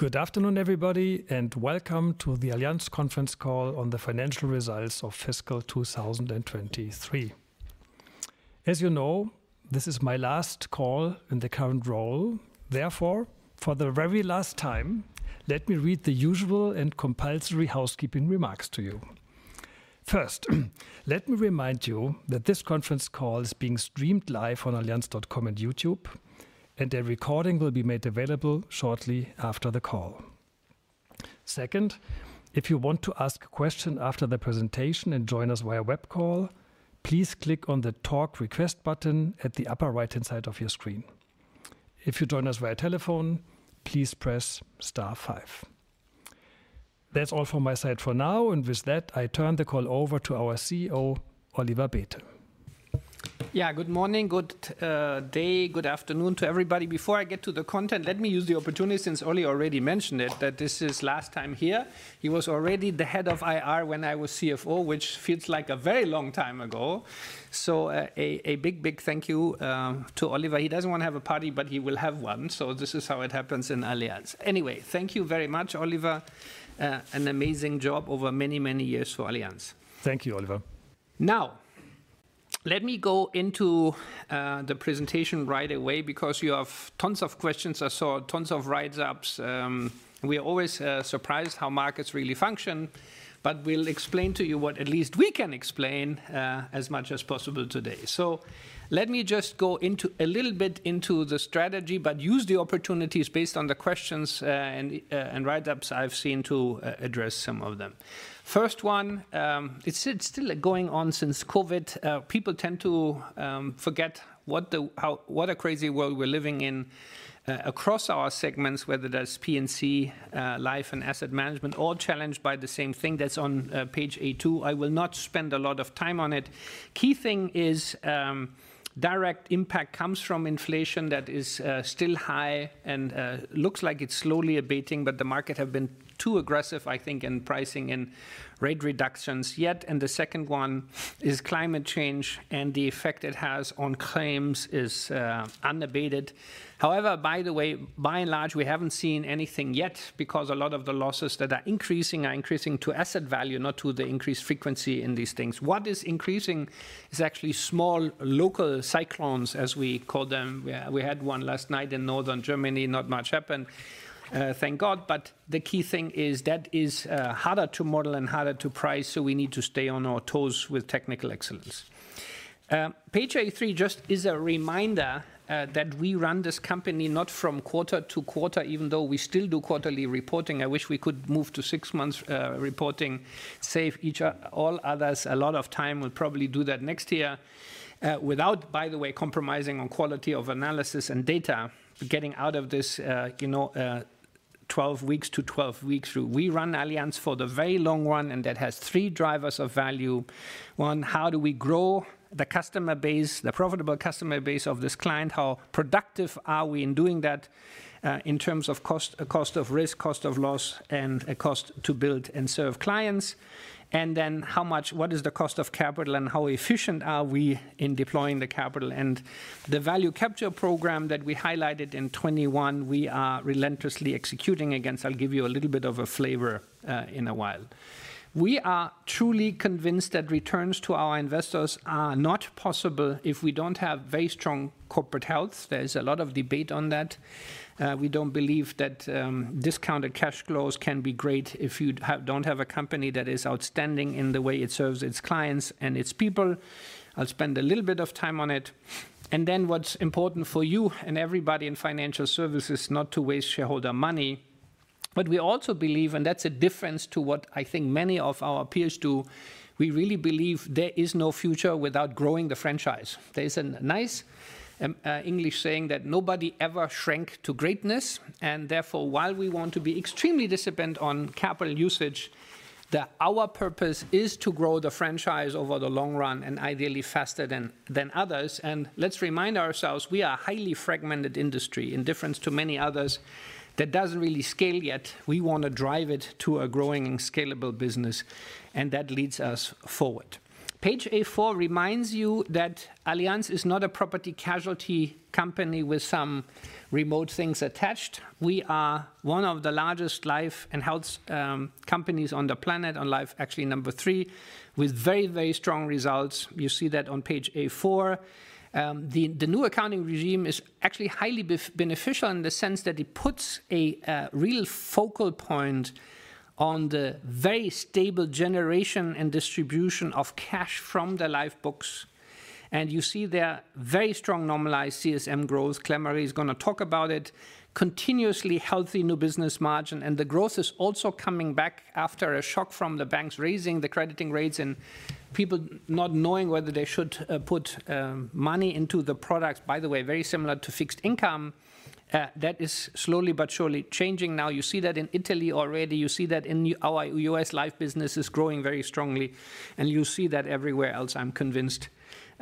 Good afternoon, everybody, and welcome to the Allianz conference call on the financial results of fiscal 2023. As you know, this is my last call in the current role, therefore, for the very last time, let me read the usual and compulsory housekeeping remarks to you. First, let me remind you that this conference call is being streamed live on allianz.com and YouTube, and a recording will be made available shortly after the call. Second, if you want to ask a question after the presentation and join us via web call, please click on the "Talk Request" button at the upper right-hand side of your screen. If you join us via telephone, please press Star 5. That's all from my side for now, and with that, I turn the call over to our CEO, Oliver Bäte. Yeah, good morning, good day, good afternoon to everybody. Before I get to the content, let me use the opportunity, since Olli already mentioned it, that this is last time here. He was already the head of IR when I was CFO, which feels like a very long time ago. So, a big, big thank you to Oliver. He doesn't want to have a party, but he will have one, so this is how it happens in Allianz. Anyway, thank you very much, Oliver. An amazing job over many, many years for Allianz. Thank you, Oliver. Now, let me go into the presentation right away because you have tons of questions. I saw tons of write-ups. We are always surprised how markets really function, but we'll explain to you what at least we can explain, as much as possible today. So let me just go into a little bit into the strategy, but use the opportunities based on the questions, and write-ups I've seen to address some of them. First one, it's still going on since COVID. People tend to forget what a crazy world we're living in, across our segments, whether that's P&C, life and asset management, all challenged by the same thing that's on page A2. I will not spend a lot of time on it. Key thing is, direct impact comes from inflation that is still high and looks like it's slowly abating, but the market has been too aggressive, I think, in pricing and rate reductions yet. And the second one is climate change, and the effect it has on claims is unabated. However, by the way, by and large, we haven't seen anything yet because a lot of the losses that are increasing are increasing to asset value, not to the increased frequency in these things. What is increasing is actually small local cyclones, as we call them. We had one last night in northern Germany, not much happened, thank God. But the key thing is that is harder to model and harder to price, so we need to stay on our toes with technical excellence. Page A3 just is a reminder that we run this company not from quarter to quarter, even though we still do quarterly reporting. I wish we could move to six-month reporting, save each of all others a lot of time. We'll probably do that next year, without, by the way, compromising on quality of analysis and data, getting out of this, you know, 12 weeks to 12 weeks through. We run Allianz for the very long run, and that has three drivers of value. One, how do we grow the customer base, the profitable customer base of this client? How productive are we in doing that, in terms of cost, cost of risk, cost of loss, and cost to build and serve clients? And then how much what is the cost of capital, and how efficient are we in deploying the capital? The value capture program that we highlighted in 2021, we are relentlessly executing against. I'll give you a little bit of a flavor, in a while. We are truly convinced that returns to our investors are not possible if we don't have very strong corporate health. There is a lot of debate on that. We don't believe that discounted cash flows can be great if you don't have a company that is outstanding in the way it serves its clients and its people. I'll spend a little bit of time on it. And then what's important for you and everybody in financial services is not to waste shareholder money. But we also believe, and that's a difference to what I think many of our peers do, we really believe there is no future without growing the franchise. There is a nice English saying that nobody ever shrank to greatness. And therefore, while we want to be extremely disciplined on capital usage, our purpose is to grow the franchise over the long run and ideally faster than others. Let's remind ourselves, we are a highly fragmented industry, in difference to many others, that doesn't really scale yet. We want to drive it to a growing and scalable business, and that leads us forward. Page A4 reminds you that Allianz is not a property-casualty company with some remote things attached. We are one of the largest life and health companies on the planet, on life actually number 3, with very, very strong results. You see that on page A4. The new accounting regime is actually highly beneficial in the sense that it puts a real focal point on the very stable generation and distribution of cash from the life books. And you see there very strong normalized CSM growth. Claire-Marie is going to talk about it. Continuously healthy new business margin. And the growth is also coming back after a shock from the banks raising the crediting rates and people not knowing whether they should put money into the products, by the way, very similar to fixed income. That is slowly but surely changing now. You see that in Italy already. You see that in our US life businesses growing very strongly. And you see that everywhere else, I'm convinced,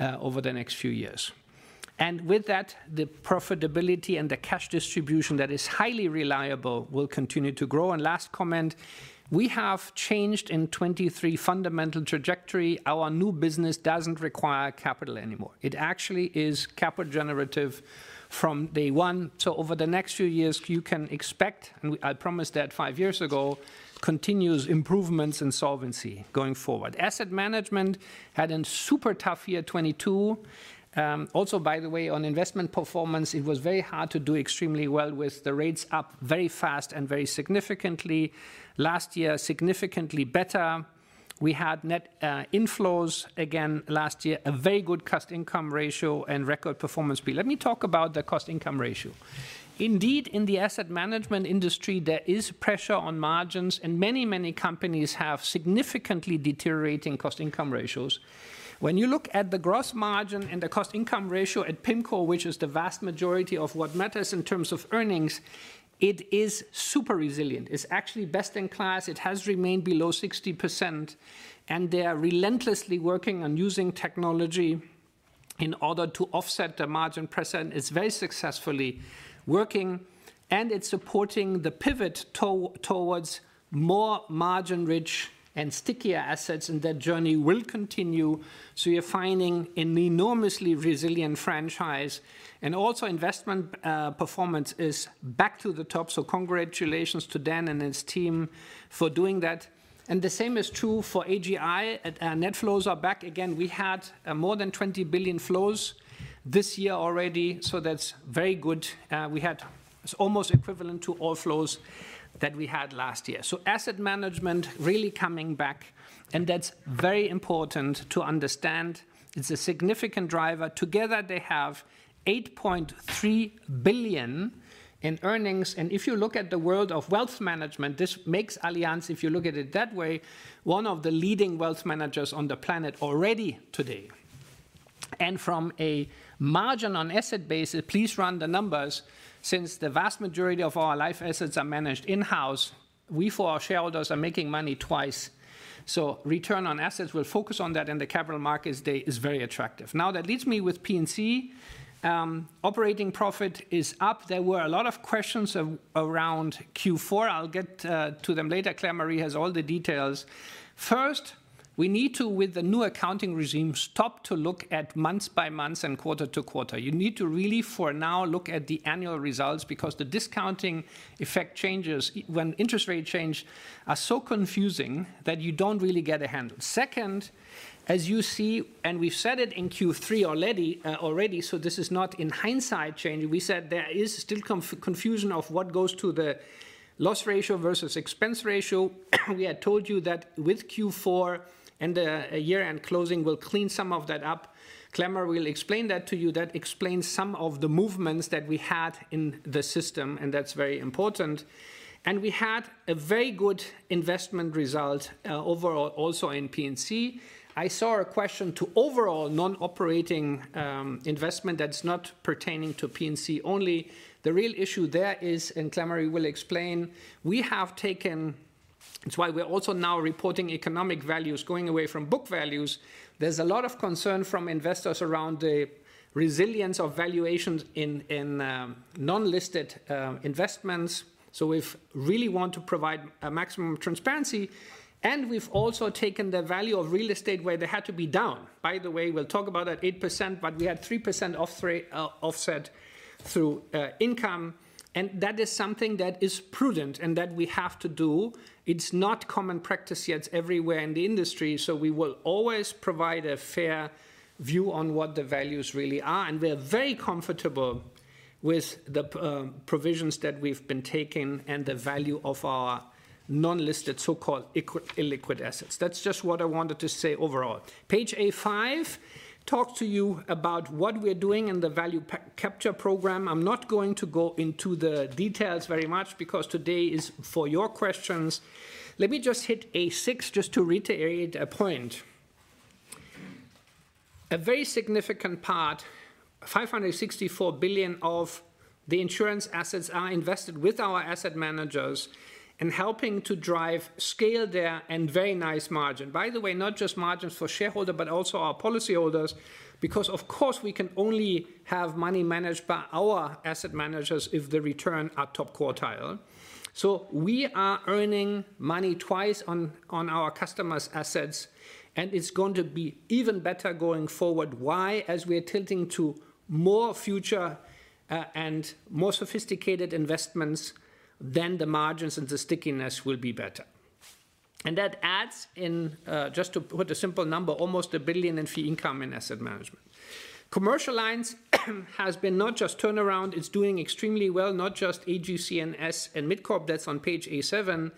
over the next few years. And with that, the profitability and the cash distribution that is highly reliable will continue to grow. And last comment, we have changed in 2023 fundamental trajectory. Our new business doesn't require capital anymore. It actually is capital generative from day one. So over the next few years, you can expect, and I promised that 5 years ago, continuous improvements in solvency going forward. Asset management had a super tough year 2022. Also, by the way, on investment performance, it was very hard to do extremely well with the rates up very fast and very significantly. Last year, significantly better. We had net inflows again last year, a very good cost-income ratio, and record performance speed. Let me talk about the cost-income ratio. Indeed, in the asset management industry, there is pressure on margins, and many, many companies have significantly deteriorating cost-income ratios. When you look at the gross margin and the cost-income ratio at PIMCO, which is the vast majority of what matters in terms of earnings, it is super resilient. It's actually best in class. It has remained below 60%. They are relentlessly working on using technology in order to offset the margin pressure. And it's very successfully working. And it's supporting the pivot toward more margin-rich and stickier assets. And that journey will continue. So you're finding an enormously resilient franchise. And also investment performance is back to the top. So congratulations to Dan and his team for doing that. And the same is true for AGI. Net flows are back. Again, we had more than 20 billion flows this year already, so that's very good. We had; it's almost equivalent to all flows that we had last year. So asset management really coming back. And that's very important to understand. It's a significant driver. Together, they have 8.3 billion in earnings. And if you look at the world of wealth management, this makes Allianz, if you look at it that way, one of the leading wealth managers on the planet already today. And from a margin-on-asset basis please run the numbers, since the vast majority of our life assets are managed in-house, we for our shareholders are making money twice. So return on assets, we'll focus on that in the Capital Markets Day, is very attractive. Now, that leads me to P&C. Operating profit is up. There were a lot of questions around Q4. I'll get to them later. Claire-Marie has all the details. First, we need to, with the new accounting regime, stop looking at month by month and quarter to quarter. You need to really, for now, look at the annual results because the discounting effect changes when interest rates change are so confusing that you don't really get a handle. Second, as you see, and we've said it in Q3 already, already, so this is not in hindsight changing. We said there is still confusion of what goes to the loss ratio versus expense ratio. We had told you that with Q4 and the year-end closing we'll clean some of that up. Claire-Marie will explain that to you. That explains some of the movements that we had in the system, and that's very important. We had a very good investment result, overall also in P&C. I saw a question to overall non-operating, investment that's not pertaining to P&C only. The real issue there is, and Claire-Marie will explain, we have taken. It's why we're also now reporting economic values going away from book values. There's a lot of concern from investors around the resilience of valuations in non-listed investments. So we really want to provide maximum transparency. And we've also taken the value of real estate where they had to be down. By the way, we'll talk about that 8%, but we had 3% offset through income. And that is something that is prudent and that we have to do. It's not common practice yet. It's everywhere in the industry. So we will always provide a fair view on what the values really are. And we're very comfortable with the provisions that we've been taking and the value of our non-listed so-called illiquid assets. That's just what I wanted to say overall. Page A5 talks to you about what we're doing in the value capture program. I'm not going to go into the details very much because today is for your questions. Let me just hit A6 just to reiterate a point. A very significant part, 564 billion of the insurance assets are invested with our asset managers in helping to drive scale there and very nice margin. By the way, not just margins for shareholders, but also our policyholders, because of course we can only have money managed by our asset managers if the returns are top quartile. So we are earning money twice on, on our customers' assets, and it's going to be even better going forward. Why? As we're tilting to more future, and more sophisticated investments, then the margins and the stickiness will be better. That adds in, just to put a simple number, almost 1 billion in fee income in asset management. Commercial Allianz has been not just turnaround. It's doing extremely well, not just AGCS and mid-corp that's on page A7.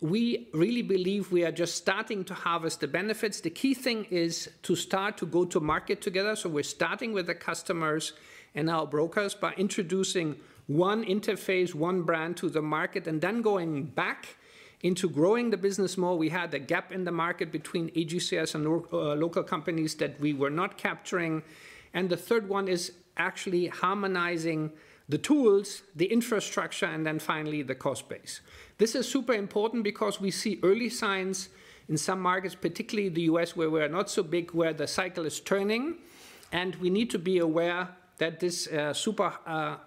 We really believe we are just starting to harvest the benefits. The key thing is to start to go to market together. So we're starting with the customers and our brokers by introducing one interface, one brand to the market, and then going back into growing the business more. We had a gap in the market between AGCS and local, local companies that we were not capturing. The third one is actually harmonizing the tools, the infrastructure, and then finally the cost base. This is super important because we see early signs in some markets, particularly the US where we are not so big, where the cycle is turning. We need to be aware that this super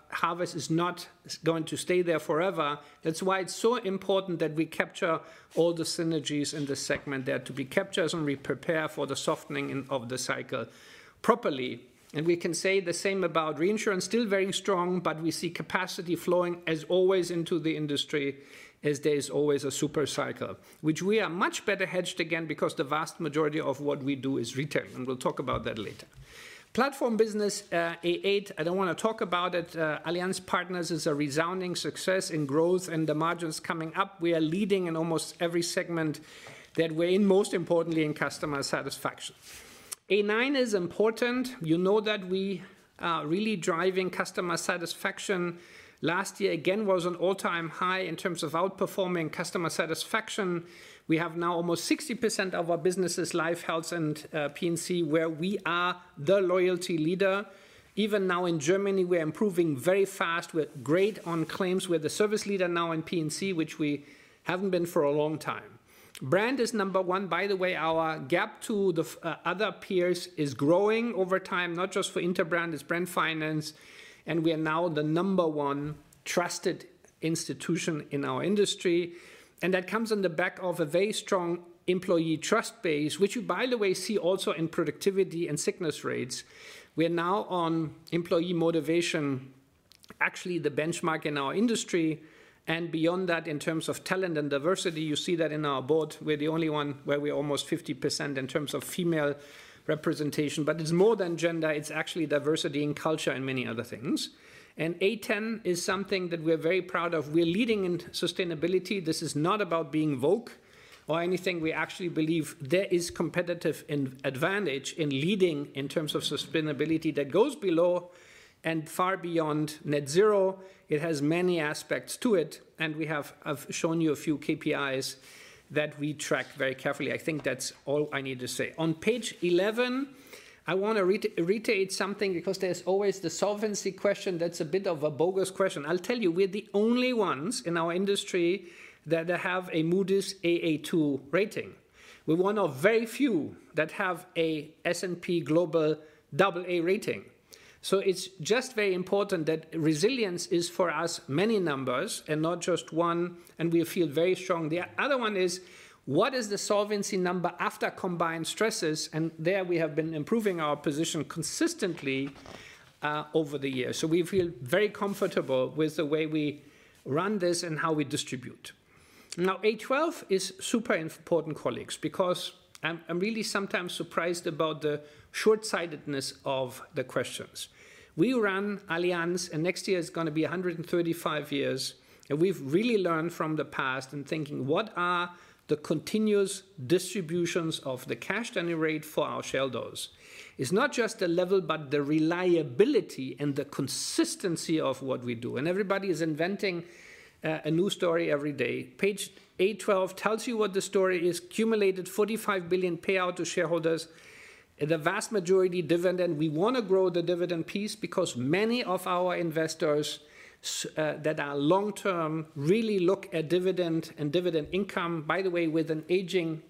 harvest is not going to stay there forever. That's why it's so important that we capture all the synergies in the segment there to be captured and we prepare for the softening of the cycle properly. We can say the same about reinsurance, still very strong, but we see capacity flowing as always into the industry as there is always a super cycle, which we are much better hedged against because the vast majority of what we do is retail. We'll talk about that later. Platform business, A8, I don't want to talk about it. Allianz Partners is a resounding success in growth, and the margin's coming up. We are leading in almost every segment that we're in, most importantly in customer satisfaction. A9 is important. You know that we really driving customer satisfaction. Last year, again, was an all-time high in terms of outperforming customer satisfaction. We have now almost 60% of our businesses life and health and P&C where we are the loyalty leader. Even now in Germany, we're improving very fast. We're great on claims. We're the service leader now in P&C, which we haven't been for a long time. Brand is number one, by the way. Our gap to the other peers is growing over time, not just for Interbrand; it's Brand Finance. And we are now the number one trusted institution in our industry. And that comes on the back of a very strong employee trust base, which you, by the way, see also in productivity and sickness rates. We are now on employee motivation, actually the benchmark in our industry. Beyond that, in terms of talent and diversity, you see that in our board. We're the only one where we're almost 50% in terms of female representation. But it's more than gender. It's actually diversity in culture and many other things. A10 is something that we're very proud of. We're leading in sustainability. This is not about being vogue or anything. We actually believe there is competitive advantage in leading in terms of sustainability. That goes below and far beyond net zero. It has many aspects to it. We have, I've shown you a few KPIs that we track very carefully. I think that's all I need to say. On page 11, I want to reiterate something because there's always the solvency question. That's a bit of a bogus question. I'll tell you, we're the only ones in our industry that have a Moody's AA2 rating. We're one of very few that have an S&P Global AA rating. So it's just very important that resilience is for us many numbers and not just one. And we feel very strong. The other one is what is the solvency number after combined stresses? And there we have been improving our position consistently, over the years. So we feel very comfortable with the way we run this and how we distribute. Now, A12 is super important, colleagues, because I'm really sometimes surprised about the shortsightedness of the questions. We run Allianz, and next year is going to be 135 years. And we've really learned from the past in thinking what are the continuous distributions of the cash-generated rate for our shareholders. It's not just the level, but the reliability and the consistency of what we do. And everybody is inventing a new story every day. Page A12 tells you what the story is: accumulated 45 billion payout to shareholders, the vast majority dividend. We want to grow the dividend piece because many of our investors, that are long-term really look at dividend and dividend income, by the way, with an aging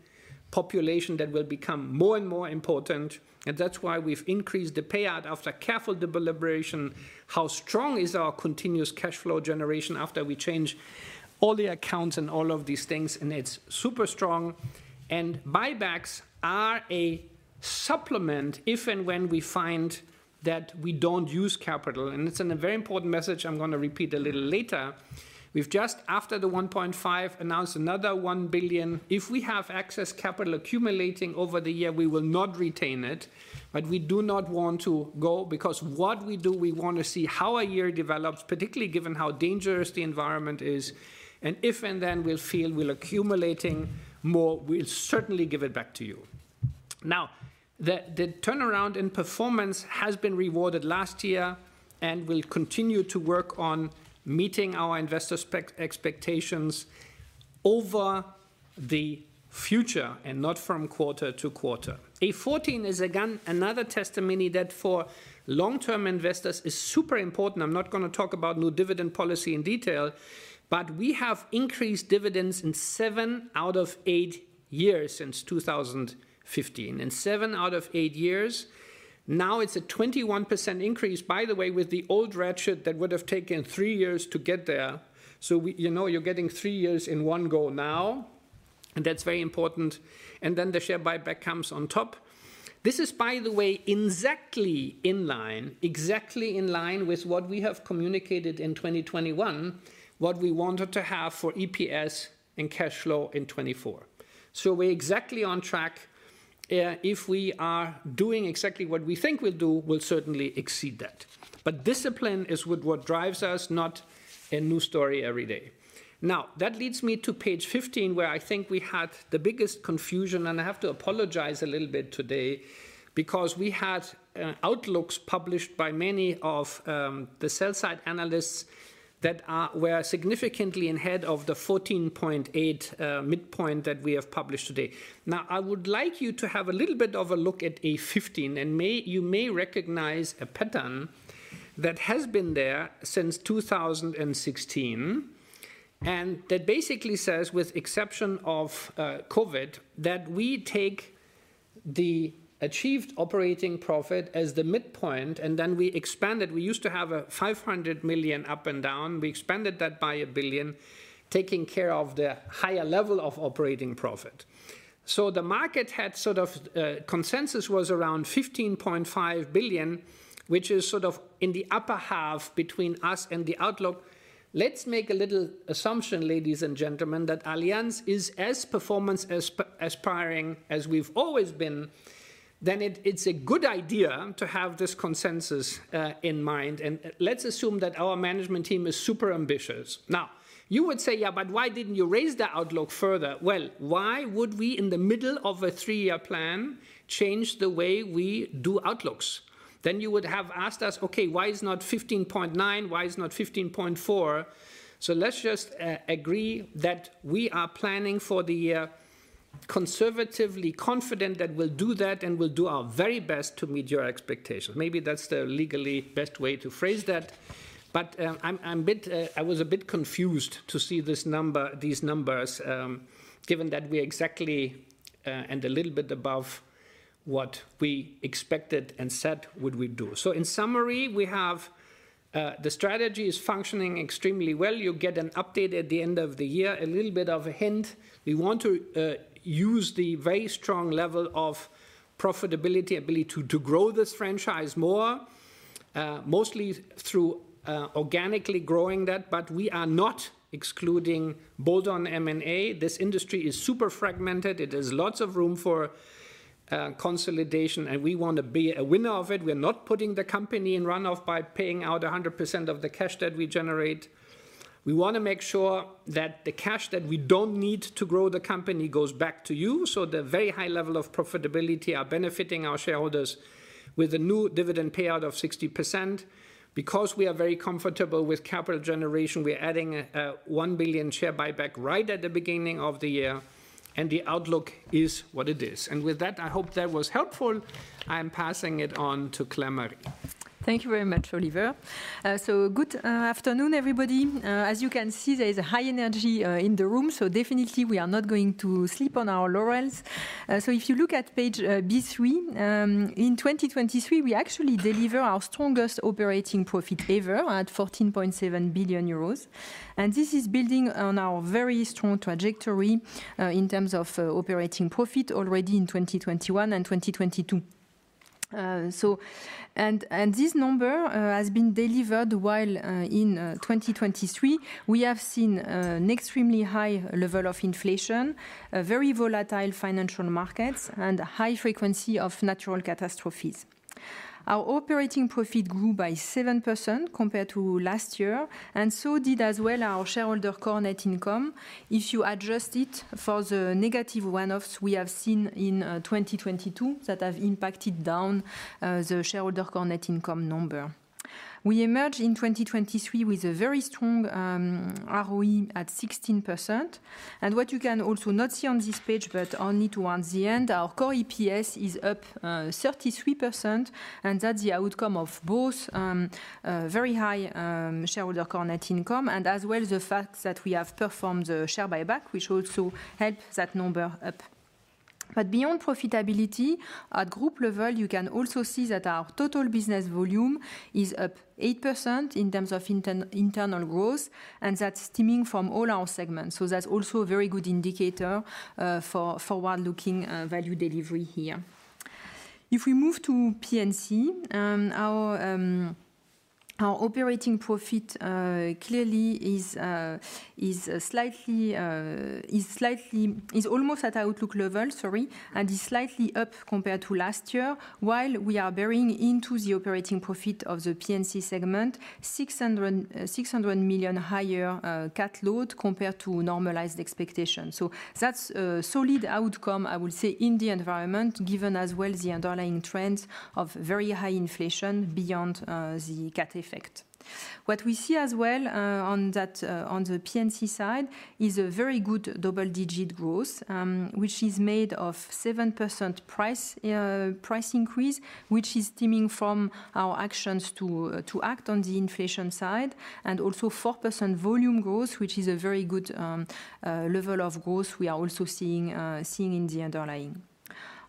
population that will become more and more important. And that's why we've increased the payout after careful deliberation. How strong is our continuous cash flow generation after we change all the accounts and all of these things? And it's super strong. And buybacks are a supplement if and when we find that we don't use capital. And it's a very important message. I'm going to repeat a little later. We've just, after the 1.5, announced another 1 billion. If we have excess capital accumulating over the year, we will not retain it. But we do not want to go because what we do, we want to see how a year develops, particularly given how dangerous the environment is. And if and then we'll feel we're accumulating more, we'll certainly give it back to you. Now, the turnaround in performance has been rewarded last year and we'll continue to work on meeting our investor expectations over the future and not from quarter to quarter. A14 is again another testimony that for long-term investors is super important. I'm not going to talk about new dividend policy in detail, but we have increased dividends in seven out of eight years since 2015. In seven out of eight years, now it's a 21% increase, by the way, with the old ratio that would have taken three years to get there. So we, you know, you're getting three years in one go now. And that's very important. And then the share buyback comes on top. This is, by the way, exactly in line, exactly in line with what we have communicated in 2021, what we wanted to have for EPS and cash flow in 2024. So we're exactly on track. If we are doing exactly what we think we'll do, we'll certainly exceed that. But discipline is what drives us, not a new story every day. Now, that leads me to page 15, where I think we had the biggest confusion. And I have to apologize a little bit today because we had outlooks published by many of the sell-side analysts that are significantly ahead of the 14.8 midpoint that we have published today. Now, I would like you to have a little bit of a look at A15. And maybe you may recognize a pattern that has been there since 2016 and that basically says, with the exception of COVID, that we take the achieved operating profit as the midpoint and then we expand it. We used to have a 500 million up and down. We expanded that by 1 billion, taking care of the higher level of operating profit. So the market had sort of consensus was around 15.5 billion, which is sort of in the upper half between us and the outlook. Let's make a little assumption, ladies and gentlemen, that Allianz is as performance aspiring as we've always been. Then it's a good idea to have this consensus in mind. Let's assume that our management team is super ambitious. Now, you would say, yeah, but why didn't you raise the outlook further? Well, why would we, in the middle of a three-year plan, change the way we do outlooks? Then you would have asked us, okay, why is not 15.9? Why is not 15.4? So let's just agree that we are planning for the year, conservatively confident that we'll do that and we'll do our very best to meet your expectations. Maybe that's the legally best way to phrase that. But I'm a bit, I was a bit confused to see this number, these numbers, given that we're exactly, and a little bit above what we expected and said would we do. So in summary, we have, the strategy is functioning extremely well. You get an update at the end of the year, a little bit of a hint. We want to, use the very strong level of profitability, ability to to grow this franchise more, mostly through, organically growing that. But we are not excluding bolt-on M&A. This industry is super fragmented. It has lots of room for consolidation. We want to be a winner of it. We're not putting the company in runoff by paying out 100% of the cash that we generate. We want to make sure that the cash that we don't need to grow the company goes back to you. So the very high level of profitability is benefiting our shareholders with a new dividend payout of 60% because we are very comfortable with capital generation. We're adding a 1 billion share buyback right at the beginning of the year. The outlook is what it is. With that, I hope that was helpful. I'm passing it on to Claire-Marie. Thank you very much, Oliver. Good afternoon, everybody. As you can see, there is a high energy in the room. So definitely we are not going to sleep on our laurels. So if you look at page B3, in 2023, we actually delivered our strongest operating profit ever at 14.7 billion euros. And this is building on our very strong trajectory in terms of operating profit already in 2021 and 2022. So, and this number has been delivered while in 2023, we have seen an extremely high level of inflation, very volatile financial markets, and a high frequency of natural catastrophes. Our operating profit grew by 7% compared to last year. And so did as well our shareholder core net income. If you adjust it for the negative runoffs we have seen in 2022 that have impacted down the shareholder core net income number. We emerged in 2023 with a very strong ROE at 16%. What you can also not see on this page, but only towards the end, our core EPS is up 33%. That's the outcome of both very high shareholder core net income and as well the fact that we have performed the share buyback, which also helps that number up. But beyond profitability, at group level, you can also see that our total business volume is up 8% in terms of internal growth. That's stemming from all our segments. That's also a very good indicator for forward-looking value delivery here. If we move to P&C, our operating profit clearly is slightly, almost at outlook level, sorry, and is slightly up compared to last year, while we are baking into the operating profit of the P&C segment 600 million higher cat load compared to normalized expectations. So that's a solid outcome, I would say, in the environment, given as well the underlying trends of very high inflation beyond the cat effect. What we see as well on that, on the P&C side, is a very good double-digit growth, which is made of 7% price increase, which is stemming from our actions to act on the inflation side, and also 4% volume growth, which is a very good level of growth we are also seeing in the underlying.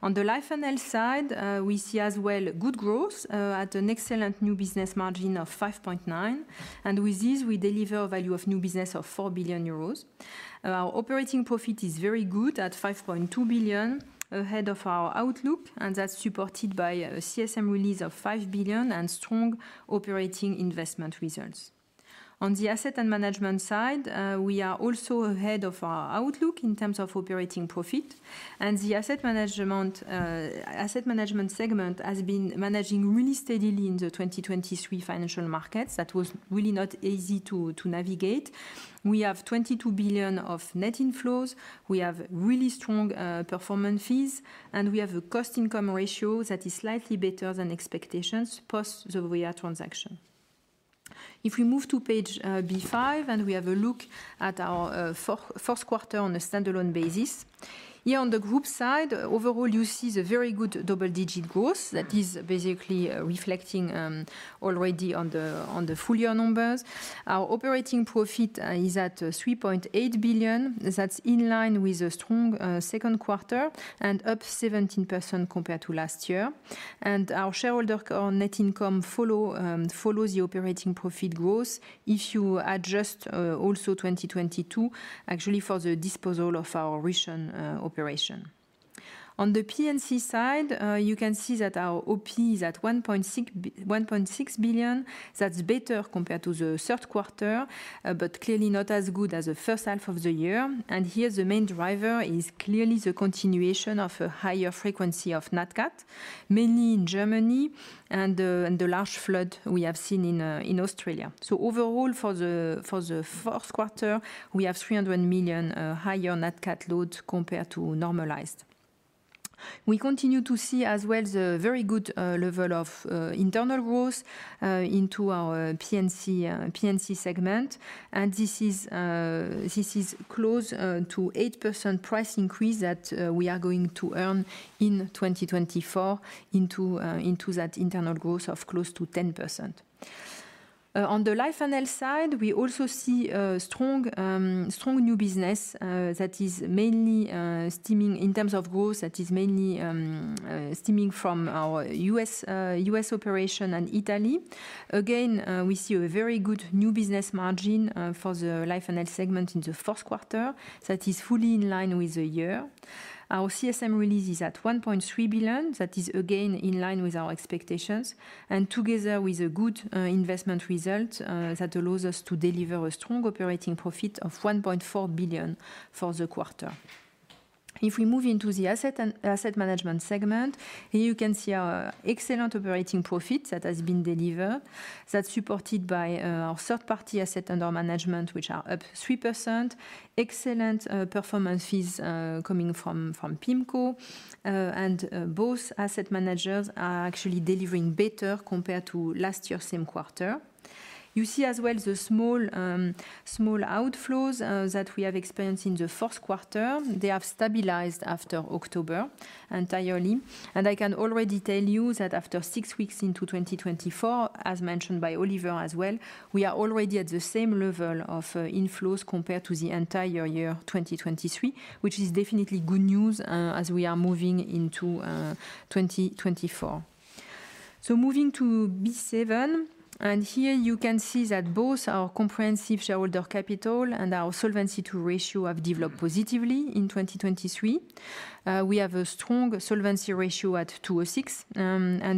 On the life and health side, we see as well good growth at an excellent new business margin of 5.9. And with this, we deliver a value of new business of 4 billion euros. Our operating profit is very good at 5.2 billion ahead of our outlook. And that's supported by a CSM release of 5 billion and strong operating investment results. On the asset and management side, we are also ahead of our outlook in terms of operating profit. The asset management, asset management segment has been managing really steadily in the 2023 financial markets. That was really not easy to navigate. We have 22 billion of net inflows. We have really strong performance fees. We have a cost-income ratio that is slightly better than expectations post the VIA transaction. If we move to page B5 and we have a look at our fourth quarter on a standalone basis, here on the group side, overall, you see a very good double-digit growth that is basically reflecting already on the full-year numbers. Our operating profit is at 3.8 billion. That's in line with a strong second quarter and up 17% compared to last year. Our shareholder core net income follows the operating profit growth if you adjust also 2022, actually for the disposal of our Russian operation. On the P&C side, you can see that our OP is at 1.6 billion. That's better compared to the third quarter, but clearly not as good as the first half of the year. And here the main driver is clearly the continuation of a higher frequency of net cat, mainly in Germany and the large flood we have seen in Australia. So overall, for the fourth quarter, we have 300 million higher net cat load compared to normalized. We continue to see as well the very good level of internal growth into our P&C segment. And this is close to 8% price increase that we are going to earn in 2024 into that internal growth of close to 10%. On the life and health side, we also see a strong new business that is mainly stemming in terms of growth, that is mainly stemming from our U.S. operation and Italy. Again, we see a very good new business margin for the life and health segment in the fourth quarter. That is fully in line with the year. Our CSM release is at 1.3 billion. That is again in line with our expectations. And together with a good investment result, that allows us to deliver a strong operating profit of 1.4 billion for the quarter. If we move into the asset management segment, here you can see our excellent operating profit that has been delivered. That's supported by our third-party assets under management, which are up 3%. Excellent performance fees coming from PIMCO. And both asset managers are actually delivering better compared to last year's same quarter. You see as well the small, small outflows that we have experienced in the fourth quarter. They have stabilized after October entirely. I can already tell you that after six weeks into 2024, as mentioned by Oliver as well, we are already at the same level of inflows compared to the entire year 2023, which is definitely good news as we are moving into 2024. So moving to B7. Here you can see that both our comprehensive shareholder capital and our Solvency II ratio have developed positively in 2023. We have a strong solvency ratio at 206.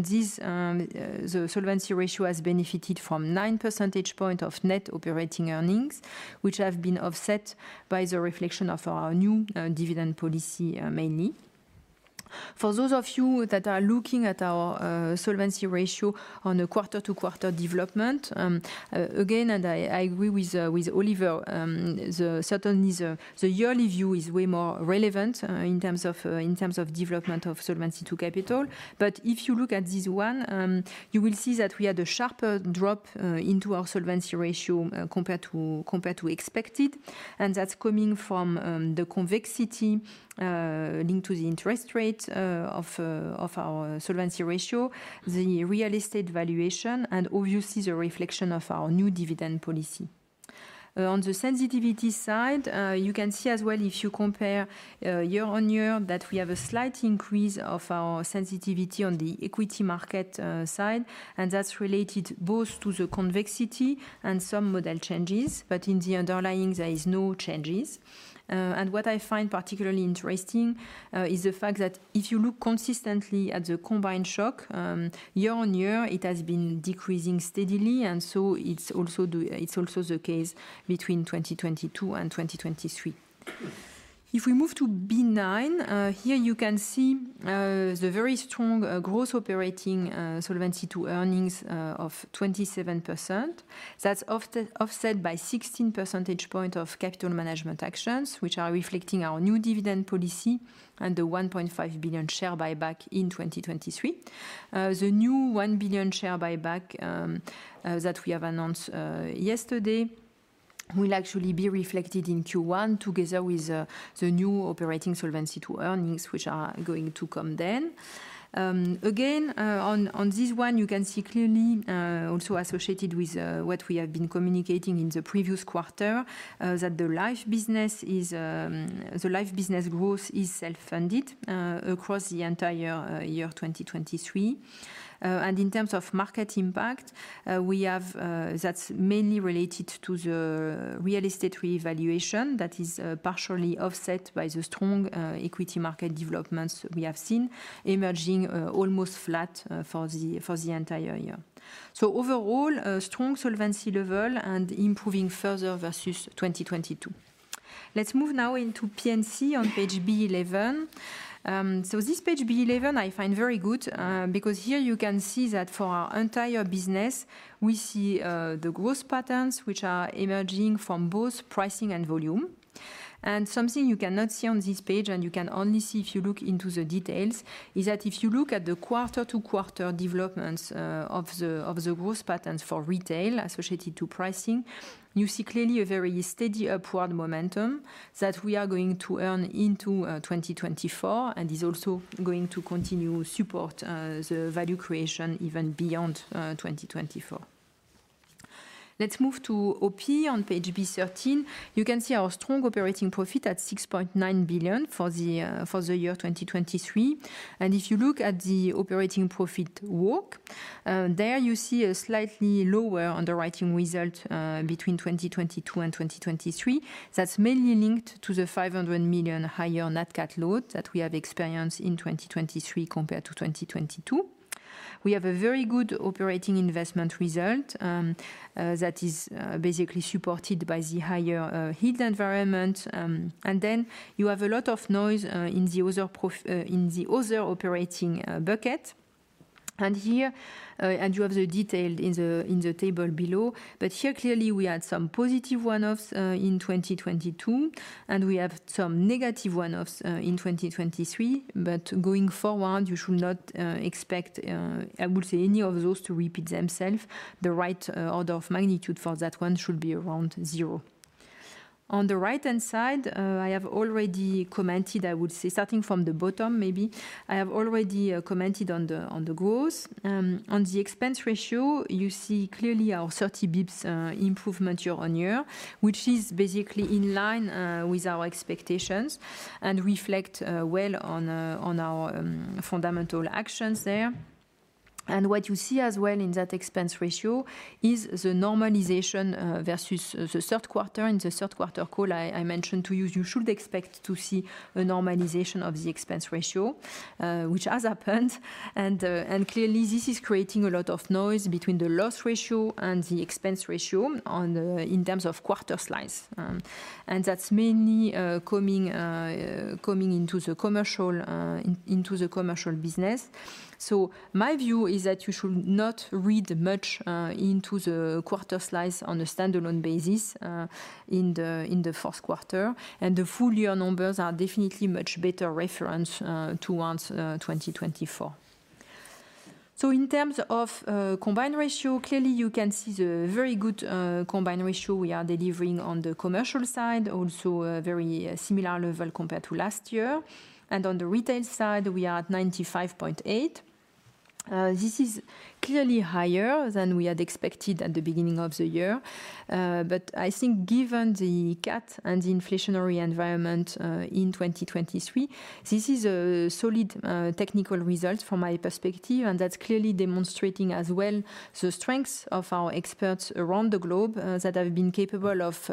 This, the solvency ratio has benefited from 9 percentage points of net operating earnings, which have been offset by the reflection of our new dividend policy, mainly. For those of you that are looking at our solvency ratio on a quarter-to-quarter development, again, and I agree with Oliver, certainly the yearly view is way more relevant in terms of development of solvency to capital. But if you look at this one, you will see that we had a sharper drop into our solvency ratio compared to expected. And that's coming from the convexity linked to the interest rate of our solvency ratio, the real estate valuation, and obviously the reflection of our new dividend policy. On the sensitivity side, you can see as well if you compare year-on-year that we have a slight increase of our sensitivity on the equity market side. And that's related both to the convexity and some model changes. But in the underlying, there are no changes. What I find particularly interesting is the fact that if you look consistently at the combined shock, year-on-year, it has been decreasing steadily. So it's also the case between 2022 and 2023. If we move to B9, here you can see the very strong gross operating solvency to earnings of 27%. That's offset by 16 percentage points of capital management actions, which are reflecting our new dividend policy and the 1.5 billion share buyback in 2023. The new 1 billion share buyback, that we have announced yesterday, will actually be reflected in Q1 together with the new operating solvency to earnings, which are going to come then. Again, on this one, you can see clearly, also associated with what we have been communicating in the previous quarter, that the life business is, the life business growth is self-funded, across the entire year 2023. In terms of market impact, we have—that's mainly related to the real estate revaluation that is partially offset by the strong equity market developments we have seen—emerging almost flat for the entire year. So overall, a strong solvency level and improving further versus 2022. Let's move now into P&C on page B11. So this page B11, I find very good because here you can see that for our entire business, we see the growth patterns which are emerging from both pricing and volume. Something you cannot see on this page, and you can only see if you look into the details, is that if you look at the quarter-to-quarter developments of the growth patterns for retail associated to pricing, you see clearly a very steady upward momentum that we are going to earn into 2024 and is also going to continue to support the value creation even beyond 2024. Let's move to OP on page B13. You can see our strong operating profit at 6.9 billion for the year 2023. If you look at the operating profit walk, there you see a slightly lower underwriting result between 2022 and 2023. That's mainly linked to the 500 million higher Net Cat Load that we have experienced in 2023 compared to 2022. We have a very good operating investment result that is basically supported by the higher hidden environment. Then you have a lot of noise in the other operating bucket. And here, you have the detail in the table below. But here clearly we had some positive runoffs in 2022. And we have some negative runoffs in 2023. But going forward, you should not expect, I would say, any of those to repeat themselves. The right order of magnitude for that one should be around zero. On the right-hand side, I have already commented, I would say, starting from the bottom maybe. I have already commented on the growth. On the expense ratio, you see clearly our 30 basis points improvement year-over-year, which is basically in line with our expectations and reflects well on our fundamental actions there. And what you see as well in that expense ratio is the normalization versus the third quarter. In the third quarter call, I mentioned to you, you should expect to see a normalization of the expense ratio, which has happened. Clearly, this is creating a lot of noise between the loss ratio and the expense ratio in terms of quarter slice. That's mainly coming into the commercial business. My view is that you should not read much into the quarter slice on a standalone basis in the fourth quarter. The full-year numbers are definitely much better reference towards 2024. In terms of combined ratio, clearly you can see the very good combined ratio we are delivering on the commercial side, also a very similar level compared to last year. On the retail side, we are at 95.8. This is clearly higher than we had expected at the beginning of the year. But I think given the cat and the inflationary environment in 2023, this is a solid technical result from my perspective. And that's clearly demonstrating as well the strengths of our experts around the globe that have been capable of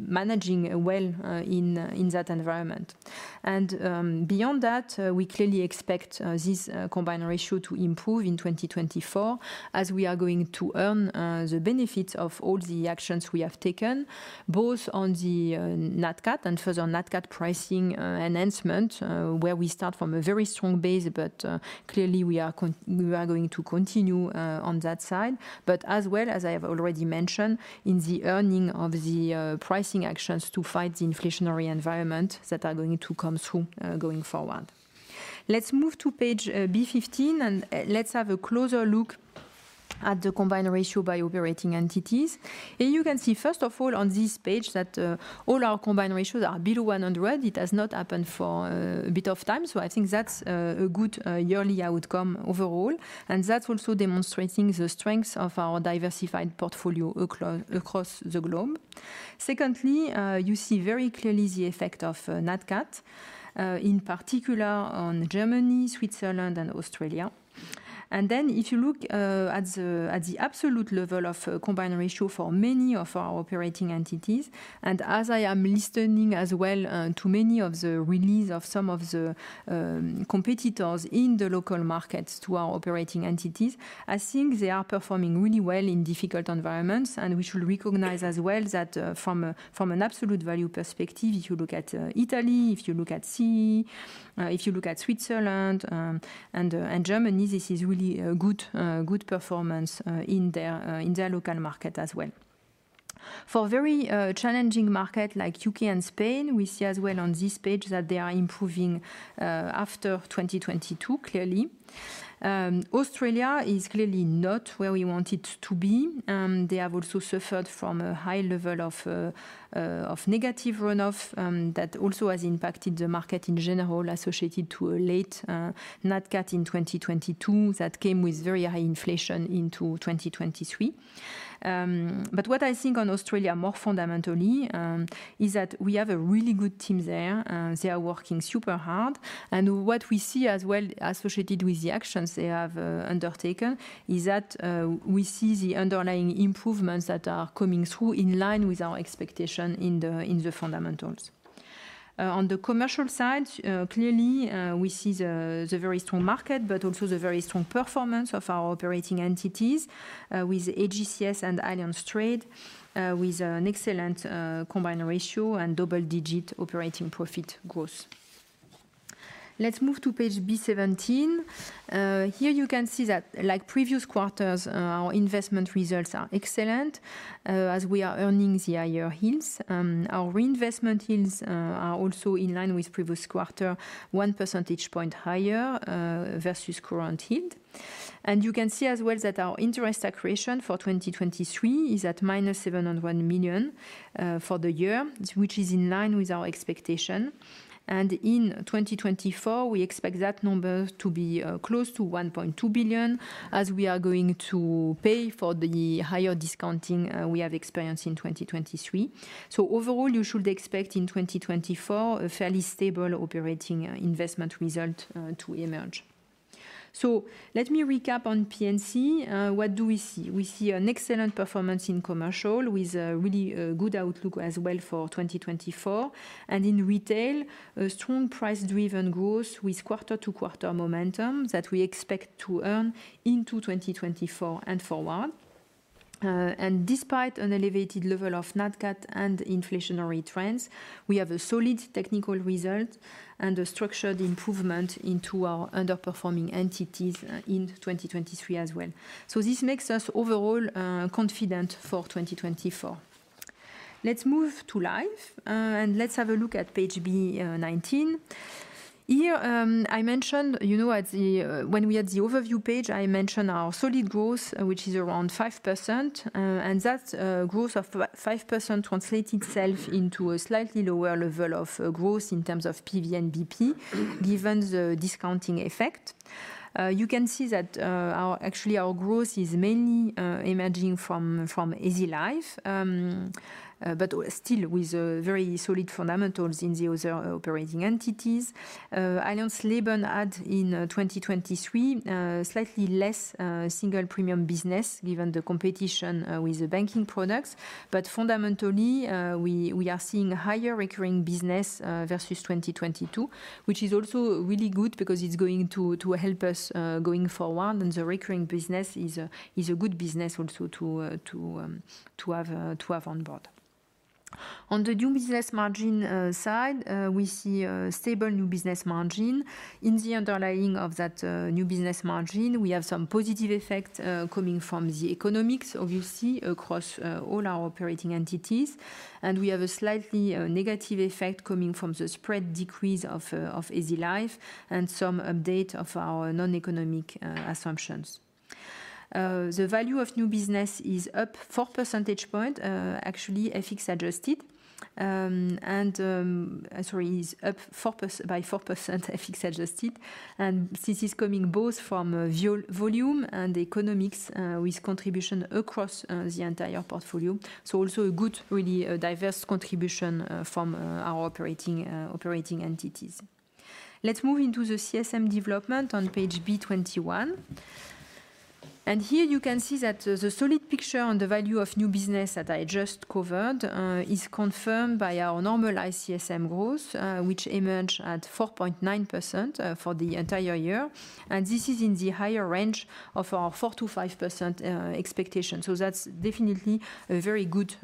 managing well in that environment. And beyond that, we clearly expect this combined ratio to improve in 2024 as we are going to earn the benefits of all the actions we have taken, both on the net cat and further net cat pricing enhancement, where we start from a very strong base. But clearly, we are going to continue on that side. But as well as I have already mentioned, in the earning of the pricing actions to fight the inflationary environment that are going to come through going forward. Let's move to page B15. And let's have a closer look at the combined ratio by operating entities. Here you can see, first of all, on this page that all our combined ratios are below 100. It has not happened for a bit of time. So I think that's a good yearly outcome overall. That's also demonstrating the strengths of our diversified portfolio across the globe. Secondly, you see very clearly the effect of net cat, in particular on Germany, Switzerland, and Australia. Then if you look at the absolute level of combined ratio for many of our operating entities, and as I am listening as well to many of the release of some of the competitors in the local markets to our operating entities, I think they are performing really well in difficult environments. We should recognize as well that from an absolute value perspective, if you look at Italy, if you look at CE, if you look at Switzerland and Germany, this is really a good performance in their local market as well. For a very challenging market like the UK and Spain, we see as well on this page that they are improving after 2022, clearly. Australia is clearly not where we want it to be. They have also suffered from a high level of negative runoff that also has impacted the market in general associated to a late net cat in 2022 that came with very high inflation into 2023. But what I think on Australia more fundamentally is that we have a really good team there. They are working super hard. And what we see as well associated with the actions they have undertaken is that we see the underlying improvements that are coming through in line with our expectation in the fundamentals. On the commercial side, clearly, we see the very strong market, but also the very strong performance of our operating entities with AGCS and Allianz Trade, with an excellent Combined Ratio and double-digit Operating Profit growth. Let's move to page B17. Here you can see that, like previous quarters, our investment results are excellent as we are earning the higher yields. Our reinvestment yields are also in line with previous quarter, 1 percentage point higher versus current yield. And you can see as well that our interest accretion for 2023 is at -701 million for the year, which is in line with our expectation. In 2024, we expect that number to be close to 1.2 billion as we are going to pay for the higher discounting we have experienced in 2023. So overall, you should expect in 2024 a fairly stable operating investment result to emerge. So let me recap on P&C. What do we see? We see an excellent performance in commercial with a really good outlook as well for 2024. And in retail, a strong price-driven growth with quarter-to-quarter momentum that we expect to earn into 2024 and forward. And despite an elevated level of net cat and inflationary trends, we have a solid technical result and a structured improvement into our underperforming entities in 2023 as well. So this makes us overall confident for 2024. Let's move to life. And let's have a look at page B19. Here, I mentioned, you know, at the when we had the overview page, I mentioned our solid growth, which is around 5%. And that growth of 5% translates itself into a slightly lower level of growth in terms of PV and BP given the discounting effect. You can see that actually our growth is mainly emerging from Allianz Life, but still with very solid fundamentals in the other operating entities. Allianz Leben had in 2023 slightly less single premium business given the competition with the banking products. But fundamentally, we are seeing higher recurring business versus 2022, which is also really good because it's going to help us going forward. And the recurring business is a good business also to have on board. On the new business margin side, we see a stable new business margin. In the underlying of that new business margin, we have some positive effect coming from the economics, obviously, across all our operating entities. And we have a slightly negative effect coming from the spread decrease of Allianz Life and some update of our non-economic assumptions. The value of new business is up 4 percentage points, actually, FX adjusted. And sorry, it's up by 4% FX adjusted. And this is coming both from volume and economics with contribution across the entire portfolio. So also a good, really diverse contribution from our operating entities. Let's move into the CSM development on page B21. And here you can see that the solid picture on the value of new business that I just covered is confirmed by our normalized CSM growth, which emerged at 4.9% for the entire year. And this is in the higher range of our 4%-5% expectation. So that's definitely a very good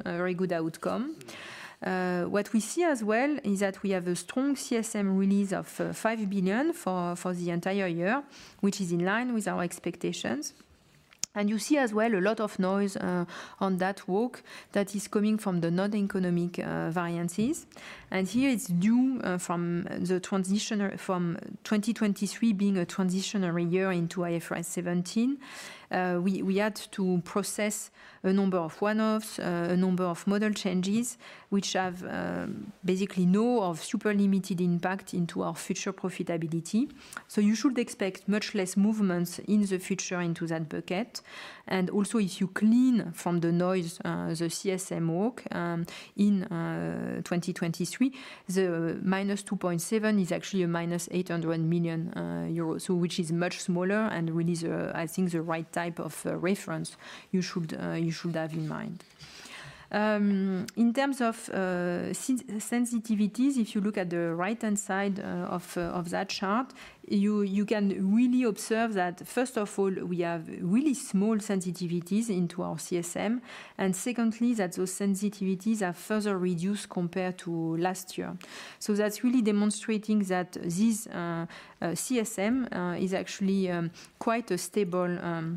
outcome. What we see as well is that we have a strong CSM release of 5 billion for the entire year, which is in line with our expectations. You see as well a lot of noise on that walk that is coming from the non-economic variances. Here it's due from 2023 being a transitional year into IFRS 17. We had to process a number of runoffs, a number of model changes, which have basically no or super limited impact into our future profitability. So you should expect much less movements in the future into that bucket. Also, if you clean from the noise, the CSM walk in 2023, the minus 2.7 is actually a minus 800 million euros, which is much smaller and really the, I think, the right type of reference you should have in mind. In terms of sensitivities, if you look at the right-hand side of that chart, you can really observe that, first of all, we have really small sensitivities into our CSM. And secondly, that those sensitivities are further reduced compared to last year. So that's really demonstrating that this CSM is actually quite a stable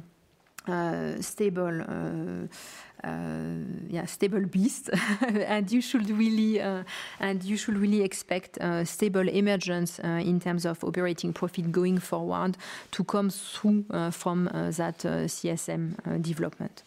beast. And you should really expect a stable emergence in terms of operating profit going forward to come through from that CSM development.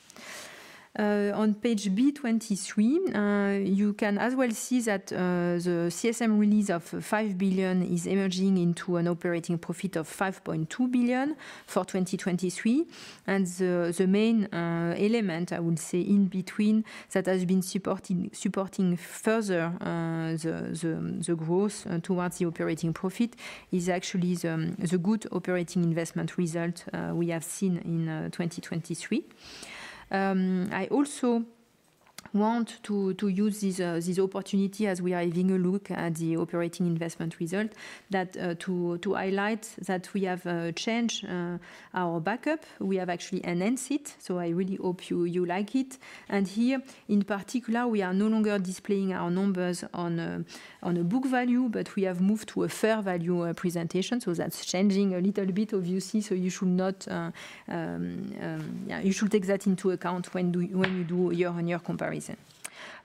On page B23, you can as well see that the CSM release of 5 billion is emerging into an operating profit of 5.2 billion for 2023. And the main element, I would say, in between that has been supporting further the growth towards the operating profit is actually the good operating investment result we have seen in 2023. I also want to use this opportunity as we are having a look at the operating investment result to highlight that we have changed our backup. We have actually enhanced it. So I really hope you like it. And here, in particular, we are no longer displaying our numbers on a book value, but we have moved to a fair value presentation. So that's changing a little bit, obviously. So you should not take that into account when you do year-on-year comparison.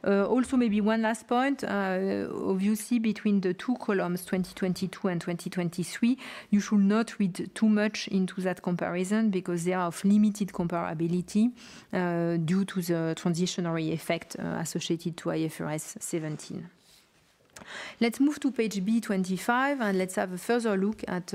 Also, maybe one last point, obviously, between the two columns, 2022 and 2023, you should not read too much into that comparison because they are of limited comparability due to the transitional effect associated with IFRS 17. Let's move to page B25. And let's have a further look at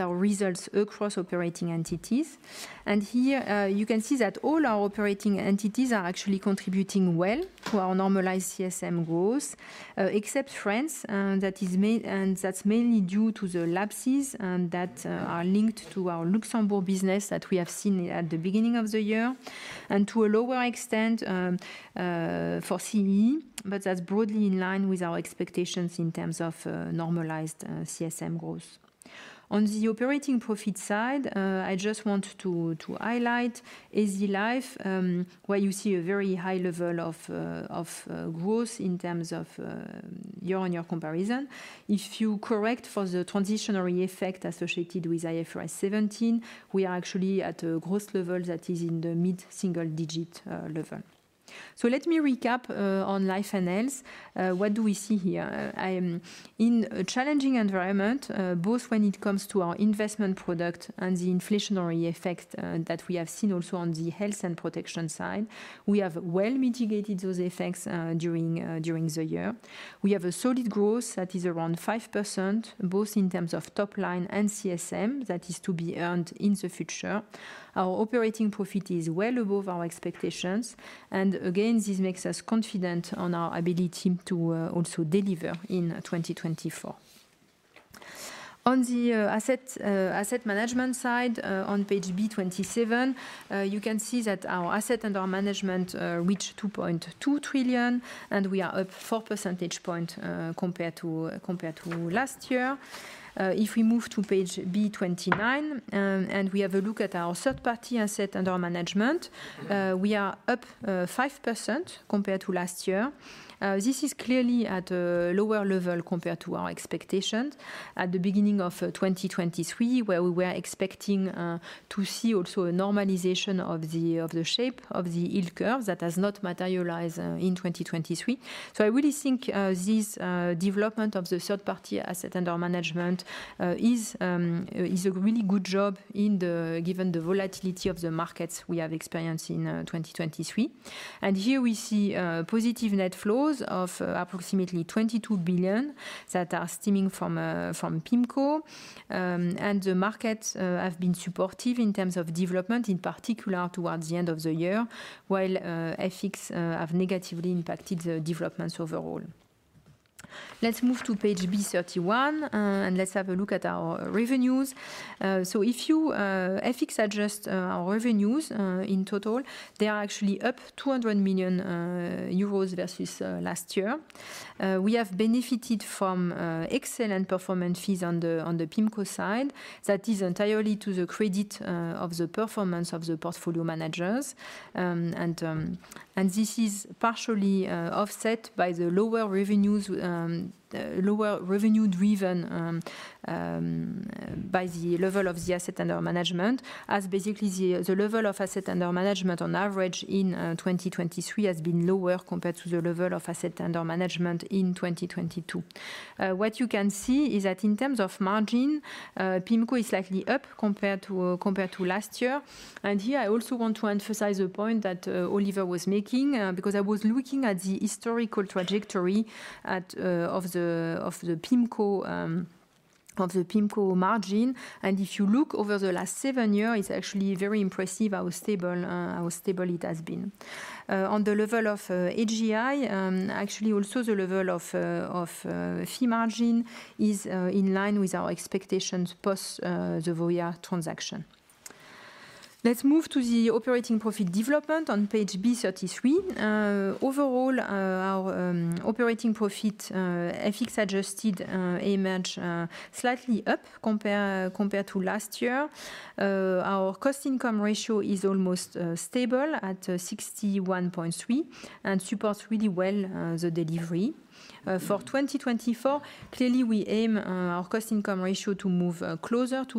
our results across operating entities. Here you can see that all our operating entities are actually contributing well to our normalized CSM growth, except France. That's mainly due to the lapses that are linked to our Luxembourg business that we have seen at the beginning of the year and to a lower extent for CE. But that's broadly in line with our expectations in terms of normalized CSM growth. On the operating profit side, I just want to highlight Allianz Life where you see a very high level of growth in terms of year-on-year comparison. If you correct for the transitionary effect associated with IFRS 17, we are actually at a gross level that is in the mid-single-digit level. Let me recap on life and health. What do we see here? I am in a challenging environment, both when it comes to our investment product and the inflationary effect that we have seen also on the health and protection side. We have well mitigated those effects during the year. We have a solid growth that is around 5%, both in terms of top line and CSM that is to be earned in the future. Our operating profit is well above our expectations. And again, this makes us confident on our ability to also deliver in 2024. On the asset management side, on page B27, you can see that our assets under management reach 2.2 trillion. And we are up 4 percentage points compared to last year. If we move to page B29 and we have a look at our third-party assets under management, we are up 5% compared to last year. This is clearly at a lower level compared to our expectations at the beginning of 2023, where we were expecting to see also a normalization of the shape of the yield curve that has not materialized in 2023. So I really think this development of the third-party asset and our management is a really good job given the volatility of the markets we have experienced in 2023. Here we see positive net flows of approximately 22 billion that are stemming from PIMCO. The markets have been supportive in terms of development, in particular towards the end of the year, while FX have negatively impacted the developments overall. Let's move to page B31. Let's have a look at our revenues. So if you FX adjust our revenues in total, they are actually up 200 million euros versus last year. We have benefited from excellent performance fees on the PIMCO side. That is entirely to the credit of the performance of the portfolio managers. This is partially offset by the lower revenue driven by the level of the asset and our management, as basically the level of asset and our management on average in 2023 has been lower compared to the level of asset and our management in 2022. What you can see is that in terms of margin, PIMCO is slightly up compared to last year. Here, I also want to emphasize the point that Oliver was making because I was looking at the historical trajectory of the PIMCO margin. If you look over the last seven years, it's actually very impressive how stable it has been. On the level of AGI, actually also the level of fee margin is in line with our expectations post the VOIA transaction. Let's move to the operating profit development on page B33. Overall, our operating profit FX adjusted emerged slightly up compared to last year. Our cost-income ratio is almost stable at 61.3% and supports really well the delivery. For 2024, clearly, we aim our cost-income ratio to move closer to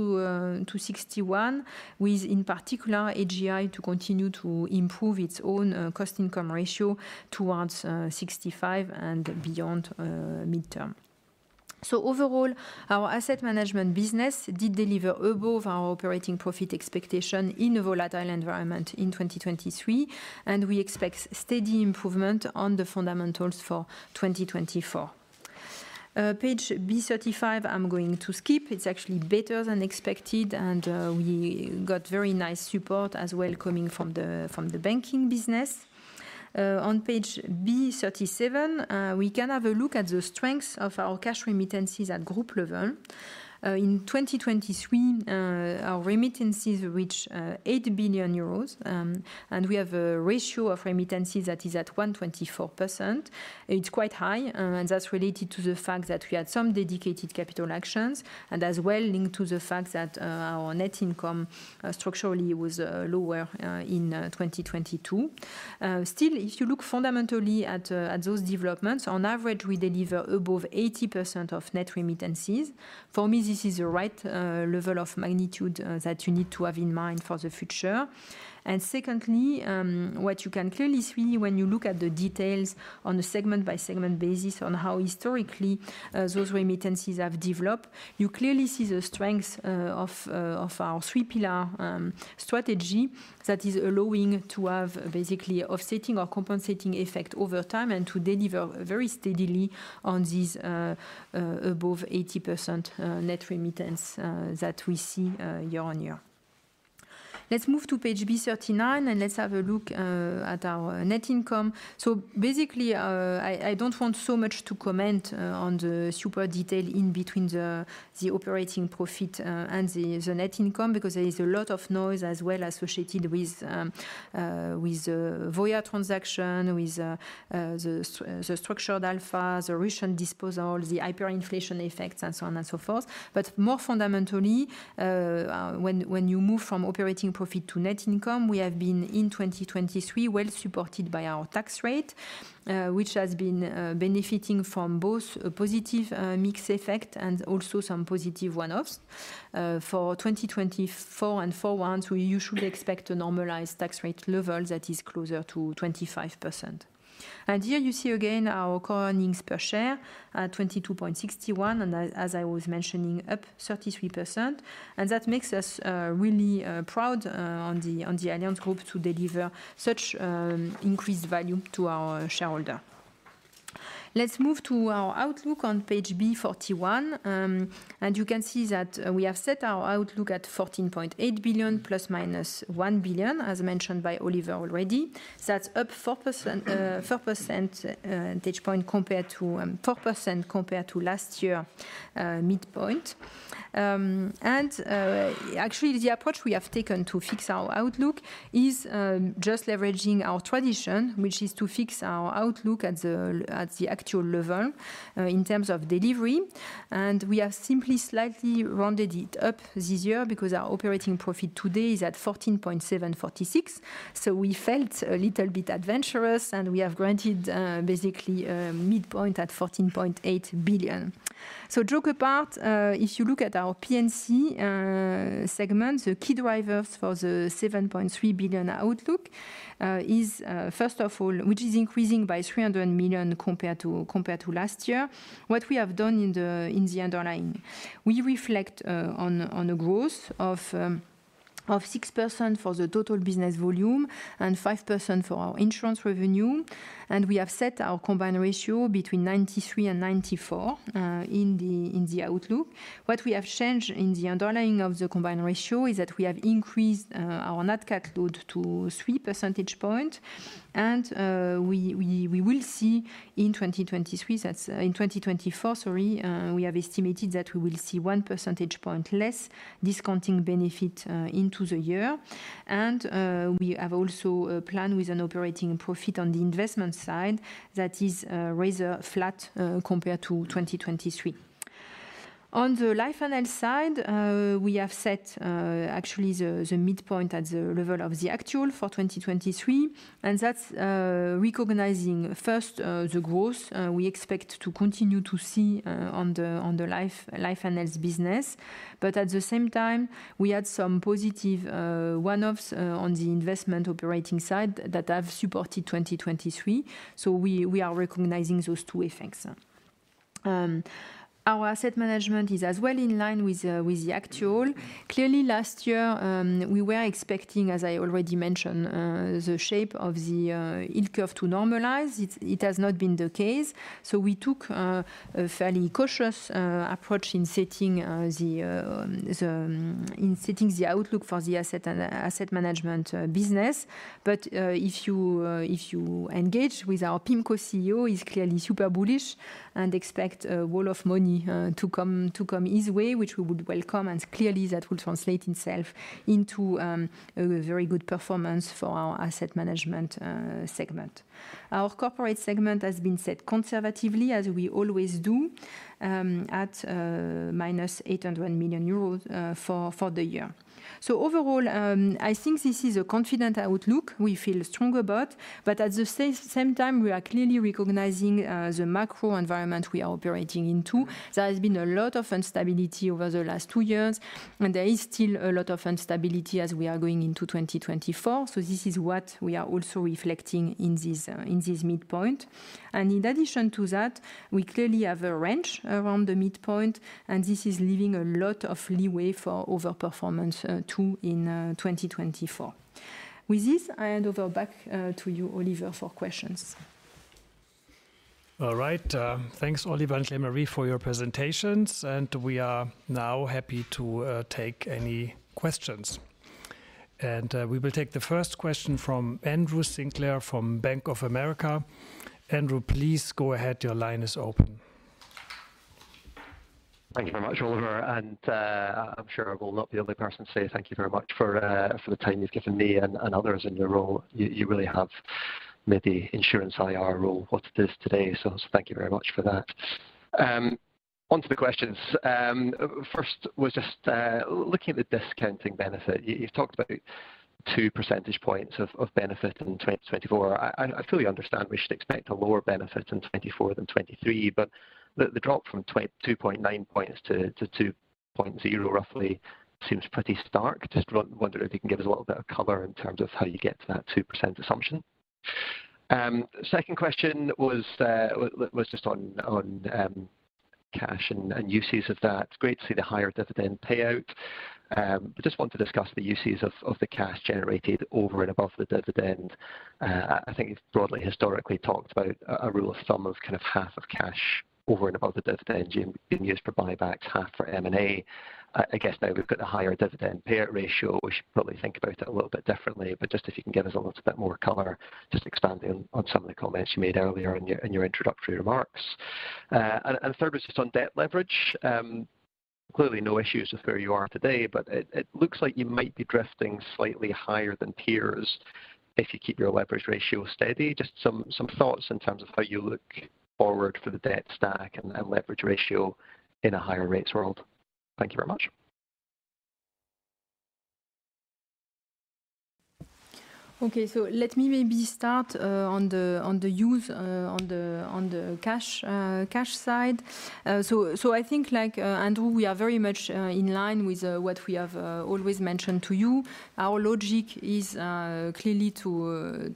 61% with, in particular, AGI to continue to improve its own cost-income ratio towards 65% and beyond mid-term. So overall, our asset management business did deliver above our operating profit expectation in a volatile environment in 2023. And we expect steady improvement on the fundamentals for 2024. Page B35, I'm going to skip. It's actually better than expected. And we got very nice support as well coming from the banking business. On page B37, we can have a look at the strengths of our cash remittances at group level. In 2023, our remittances reached 8 billion euros. We have a ratio of remittances that is at 124%. It's quite high. That's related to the fact that we had some dedicated capital actions and as well linked to the fact that our net income structurally was lower in 2022. Still, if you look fundamentally at those developments, on average, we deliver above 80% of net remittances. For me, this is the right level of magnitude that you need to have in mind for the future. Secondly, what you can clearly see when you look at the details on a segment-by-segment basis on how historically those remittances have developed, you clearly see the strengths of our three-pillar strategy that is allowing to have basically offsetting or compensating effect over time and to deliver very steadily on these above 80% net remittance that we see year-on-year. Let's move to page B39. Let's have a look at our net income. So basically, I don't want so much to comment on the super detail in between the operating profit and the net income because there is a lot of noise as well associated with the VOIA transaction, with the structured alpha, the Russian disposal, the hyperinflation effects, and so on and so forth. But more fundamentally, when you move from operating profit to net income, we have been in 2023 well supported by our tax rate, which has been benefiting from both a positive mixed effect and also some positive runoffs. For 2024 and forward, you should expect a normalized tax rate level that is closer to 25%. And here you see again our core earnings per share at 22.61. And as I was mentioning, up 33%. And that makes us really proud on the Allianz Group to deliver such increased value to our shareholder. Let's move to our outlook on page B41. And you can see that we have set our outlook at 14.8 billion ± 1 billion, as mentioned by Oliver already. That's up 4 percentage points compared to 4% compared to last year midpoint. Actually, the approach we have taken to fix our outlook is just leveraging our tradition, which is to fix our outlook at the actual level in terms of delivery. We have simply slightly rounded it up this year because our operating profit today is at 14.746 billion. We felt a little bit adventurous. We have granted basically midpoint at 14.8 billion. Joke apart, if you look at our P&C segment, the key drivers for the 7.3 billion outlook is, first of all, which is increasing by 300 million compared to last year. What we have done in the underlying, we reflect on a growth of 6% for the total business volume and 5% for our insurance revenue. We have set our combined ratio between 93%-94% in the outlook. What we have changed in the underlying of the Combined Ratio is that we have increased our net cat load to 3 percentage points. We will see in 2023 that's in 2024, sorry, we have estimated that we will see 1 percentage point less discounting benefit into the year. We have also a plan with an operating profit on the investment side that is rather flat compared to 2023. On the life and health side, we have set actually the midpoint at the level of the actual for 2023. That's recognizing, first, the growth we expect to continue to see on the life and health business. But at the same time, we had some positive runoffs on the investment operating side that have supported 2023. We are recognizing those two effects. Our asset management is as well in line with the actual. Clearly, last year, we were expecting, as I already mentioned, the shape of the yield curve to normalize. It has not been the case. So we took a fairly cautious approach in setting the outlook for the asset management business. But if you engage with our PIMCO CEO, he's clearly super bullish and expects a wall of money to come his way, which we would welcome. And clearly, that will translate itself into a very good performance for our asset management segment. Our corporate segment has been set conservatively, as we always do, at -800 million euros for the year. So overall, I think this is a confident outlook. We feel strong about it. But at the same time, we are clearly recognizing the macro environment we are operating into. There has been a lot of instability over the last two years. There is still a lot of instability as we are going into 2024. This is what we are also reflecting in this midpoint. In addition to that, we clearly have a wrench around the midpoint. This is leaving a lot of leeway for overperformance too in 2024. With this, I hand over back to you, Oliver, for questions. All right. Thanks, Oliver and Claire-Marie, for your presentations. We are now happy to take any questions. We will take the first question from Andrew Sinclair from Bank of America. Andrew, please go ahead. Your line is open. Thank you very much, Oliver. I'm sure I will not be the only person to say thank you very much for the time you've given me and others in your role. You really have made the insurance IR role what it is today. Thank you very much for that. Onto the questions. First was just looking at the discounting benefit. You've talked about 2 percentage points of benefit in 2024. I fully understand we should expect a lower benefit in 2024 than 2023. The drop from 2.9 points to 2.0, roughly, seems pretty stark. Just wonder if you can give us a little bit of color in terms of how you get to that 2% assumption. Second question was just on cash and uses of that. Great to see the higher dividend payout. But just want to discuss the uses of the cash generated over and above the dividend. I think you've broadly historically talked about a rule of thumb of kind of half of cash over and above the dividend in use for buybacks, half for M&A. I guess now we've got the higher dividend payout ratio. We should probably think about it a little bit differently. But just if you can give us a little bit more color, just expanding on some of the comments you made earlier in your introductory remarks. And third was just on debt leverage. Clearly, no issues with where you are today. But it looks like you might be drifting slightly higher than peers if you keep your leverage ratio steady. Just some thoughts in terms of how you look forward for the debt stack and leverage ratio in a higher rates world. Thank you very much. OK. So let me maybe start on the use on the cash side. So I think, like Andrew, we are very much in line with what we have always mentioned to you. Our logic is clearly to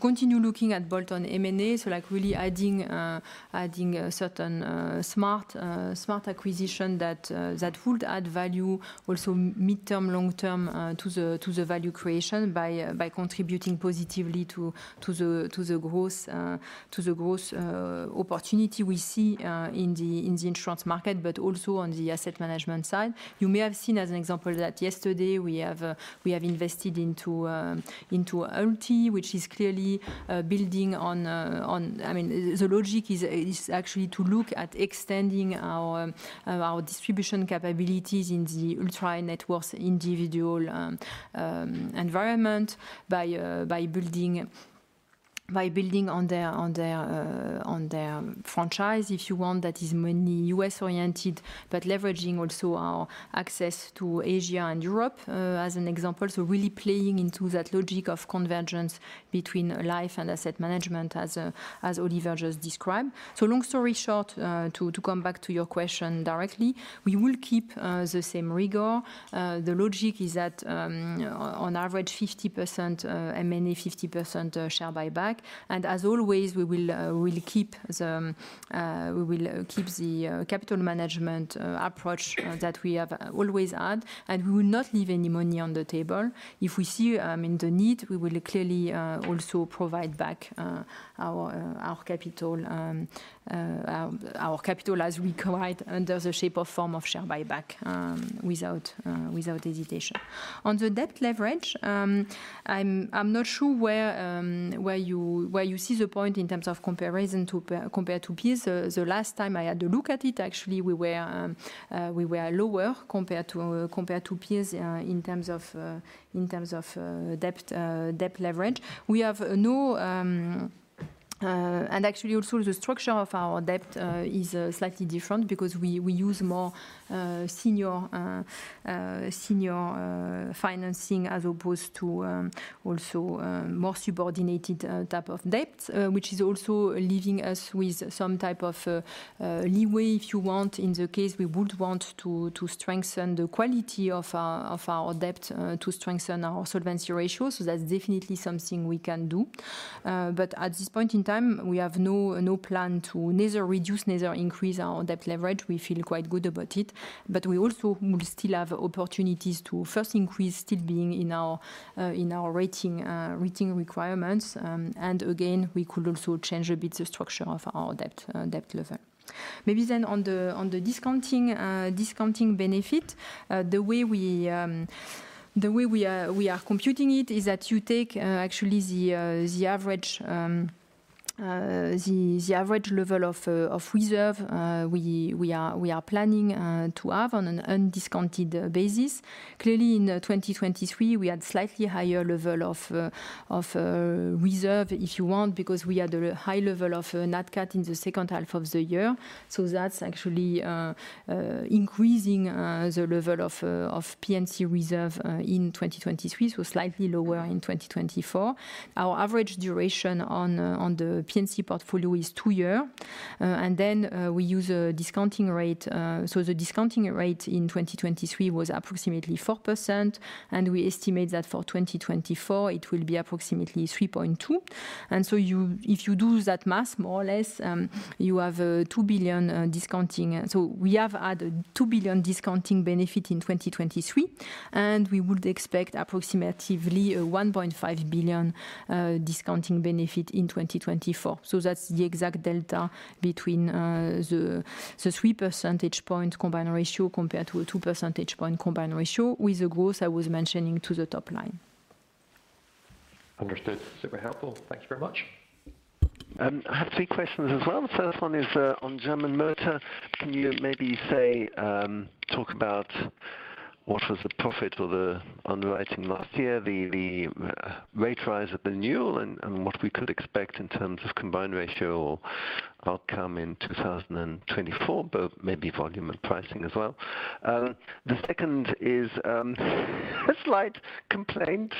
continue looking at bolt-on M&A. So really adding certain smart acquisition that would add value also mid-term, long-term to the value creation by contributing positively to the growth opportunity we see in the insurance market but also on the asset management side. You may have seen as an example that yesterday, we have invested into AlTi, which is clearly building on I mean, the logic is actually to look at extending our distribution capabilities in the ultra-net worth individual environment by building on their franchise, if you want, that is mainly US-oriented but leveraging also our access to Asia and Europe as an example. So really playing into that logic of convergence between life and asset management, as Oliver just described. So long story short, to come back to your question directly, we will keep the same rigor. The logic is that, on average, 50% M&A, 50% share buyback. And as always, we will keep the capital management approach that we have always had. And we will not leave any money on the table. If we see the need, we will clearly also provide back our capital as we write under the shape or form of share buyback without hesitation. On the debt leverage, I'm not sure where you see the point in terms of comparison to peers. The last time I had a look at it, actually, we were lower compared to peers in terms of debt leverage. We have no, and actually also, the structure of our debt is slightly different because we use more senior financing as opposed to also more subordinated type of debts, which is also leaving us with some type of leeway, if you want. In the case we would want to strengthen the quality of our debt to strengthen our solvency ratio. So that's definitely something we can do. But at this point in time, we have no plan to neither reduce nor increase our debt leverage. We feel quite good about it. But we also will still have opportunities to first increase, still being in our rating requirements. And again, we could also change a bit the structure of our debt level. Maybe then on the discounting benefit, the way we are computing it is that you take actually the average level of reserve we are planning to have on an undiscounted basis. Clearly, in 2023, we had a slightly higher level of reserve, if you want, because we had a high level of net cat in the second half of the year. So that's actually increasing the level of P&C reserve in 2023, so slightly lower in 2024. Our average duration on the P&C portfolio is two years. And then we use a discounting rate. So the discounting rate in 2023 was approximately 4%. And we estimate that for 2024, it will be approximately 3.2%. And so if you do that math, more or less, you have 2 billion discounting so we have had a 2 billion discounting benefit in 2023. And we would expect approximately a 1.5 billion discounting benefit in 2024. So that's the exact delta between the 3 percentage point combined ratio compared to a 2 percentage point combined ratio with the growth I was mentioning to the top line. Understood. Super helpful. Thank you very much. I have three questions as well. The first one is on German motor. Can you maybe talk about what was the profit or the underwriting last year, the rate rise of the new, and what we could expect in terms of combined ratio or outcome in 2024, but maybe volume and pricing as well? The second is a slight complaint,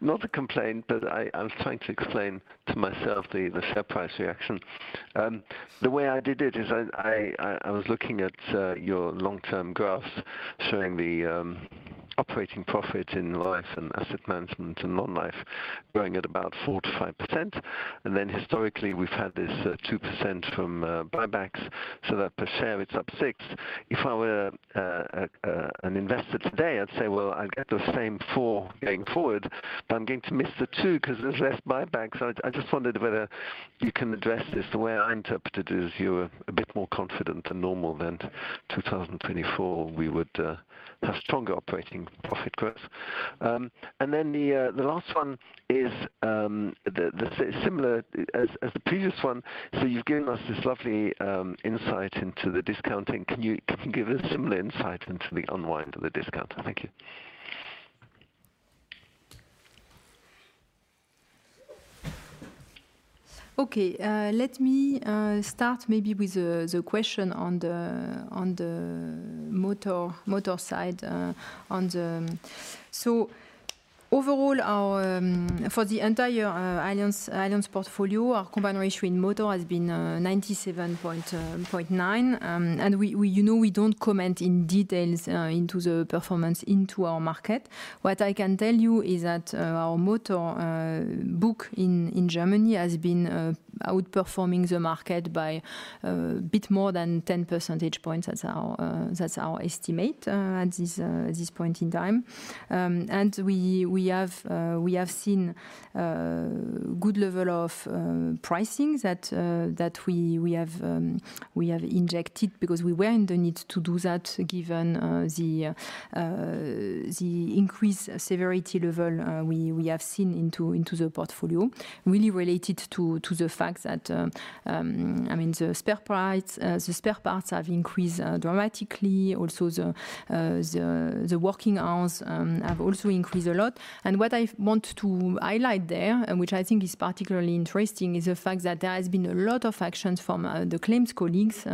not a complaint, but I was trying to explain to myself the share price reaction. The way I did it is I was looking at your long-term graphs showing the operating profit in life and asset management and non-life growing at about 4%-5%. And then historically, we've had this 2% from buybacks. So that per share, it's up 6%. If I were an investor today, I'd say, well, I'll get the same 4% going forward. But I'm going to miss the 2% because there's less buyback. I just wondered whether you can address this. The way I interpret it is you're a bit more confident than normal than 2024. We would have stronger operating profit growth. The last one is similar as the previous one. You've given us this lovely insight into the discounting. Can you give a similar insight into the unwind of the discount? Thank you. OK. Let me start maybe with the question on the motor side. So overall, for the entire Allianz portfolio, our Combined Ratio in motor has been 97.9%. And we don't comment in details into the performance into our market. What I can tell you is that our motor book in Germany has been outperforming the market by a bit more than 10 percentage points. That's our estimate at this point in time. And we have seen a good level of pricing that we have injected because we were in the need to do that given the increased severity level we have seen into the portfolio, really related to the fact that the spare parts have increased dramatically. Also, the working hours have also increased a lot. What I want to highlight there, which I think is particularly interesting, is the fact that there has been a lot of actions from the claims colleagues,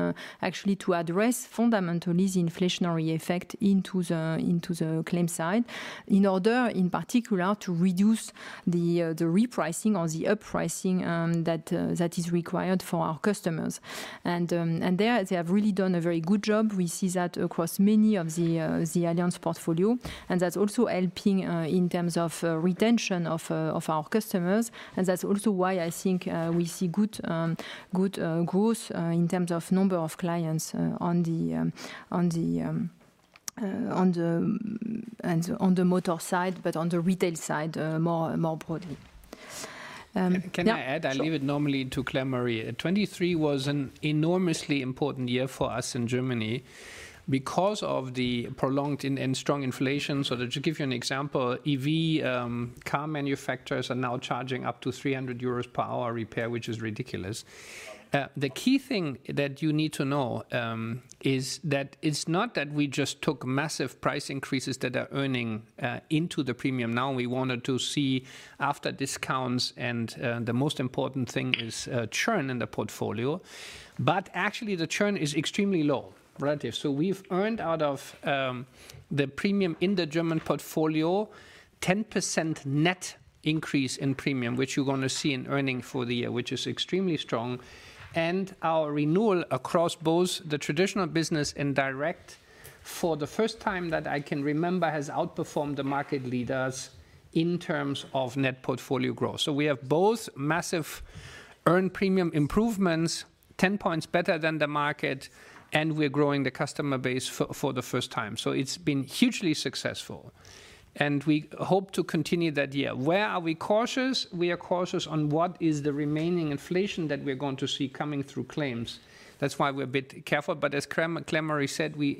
actually, to address fundamentally the inflationary effect into the claims side in order, in particular, to reduce the repricing or the uppricing that is required for our customers. There, they have really done a very good job. We see that across many of the Allianz portfolio. That's also helping in terms of retention of our customers. That's also why I think we see good growth in terms of number of clients on the motor side but on the retail side more broadly. Can I add? I leave it normally to Claire-Marie. 2023 was an enormously important year for us in Germany because of the prolonged and strong inflation. So to give you an example, EV car manufacturers are now charging up to 300 euros per hour repair, which is ridiculous. The key thing that you need to know is that it's not that we just took massive price increases that are earning into the premium. Now, we wanted to see, after discounts and the most important thing is churn in the portfolio. But actually, the churn is extremely low, relative. So we've earned out of the premium in the German portfolio a 10% net increase in premium, which you're going to see in earnings for the year, which is extremely strong. Our renewal across both the traditional business and direct, for the first time that I can remember, has outperformed the market leaders in terms of net portfolio growth. So we have both massive earned premium improvements, 10 points better than the market. We're growing the customer base for the first time. So it's been hugely successful. We hope to continue that year. Where are we cautious? We are cautious on what is the remaining inflation that we're going to see coming through claims. That's why we're a bit careful. As Claire-Marie said, we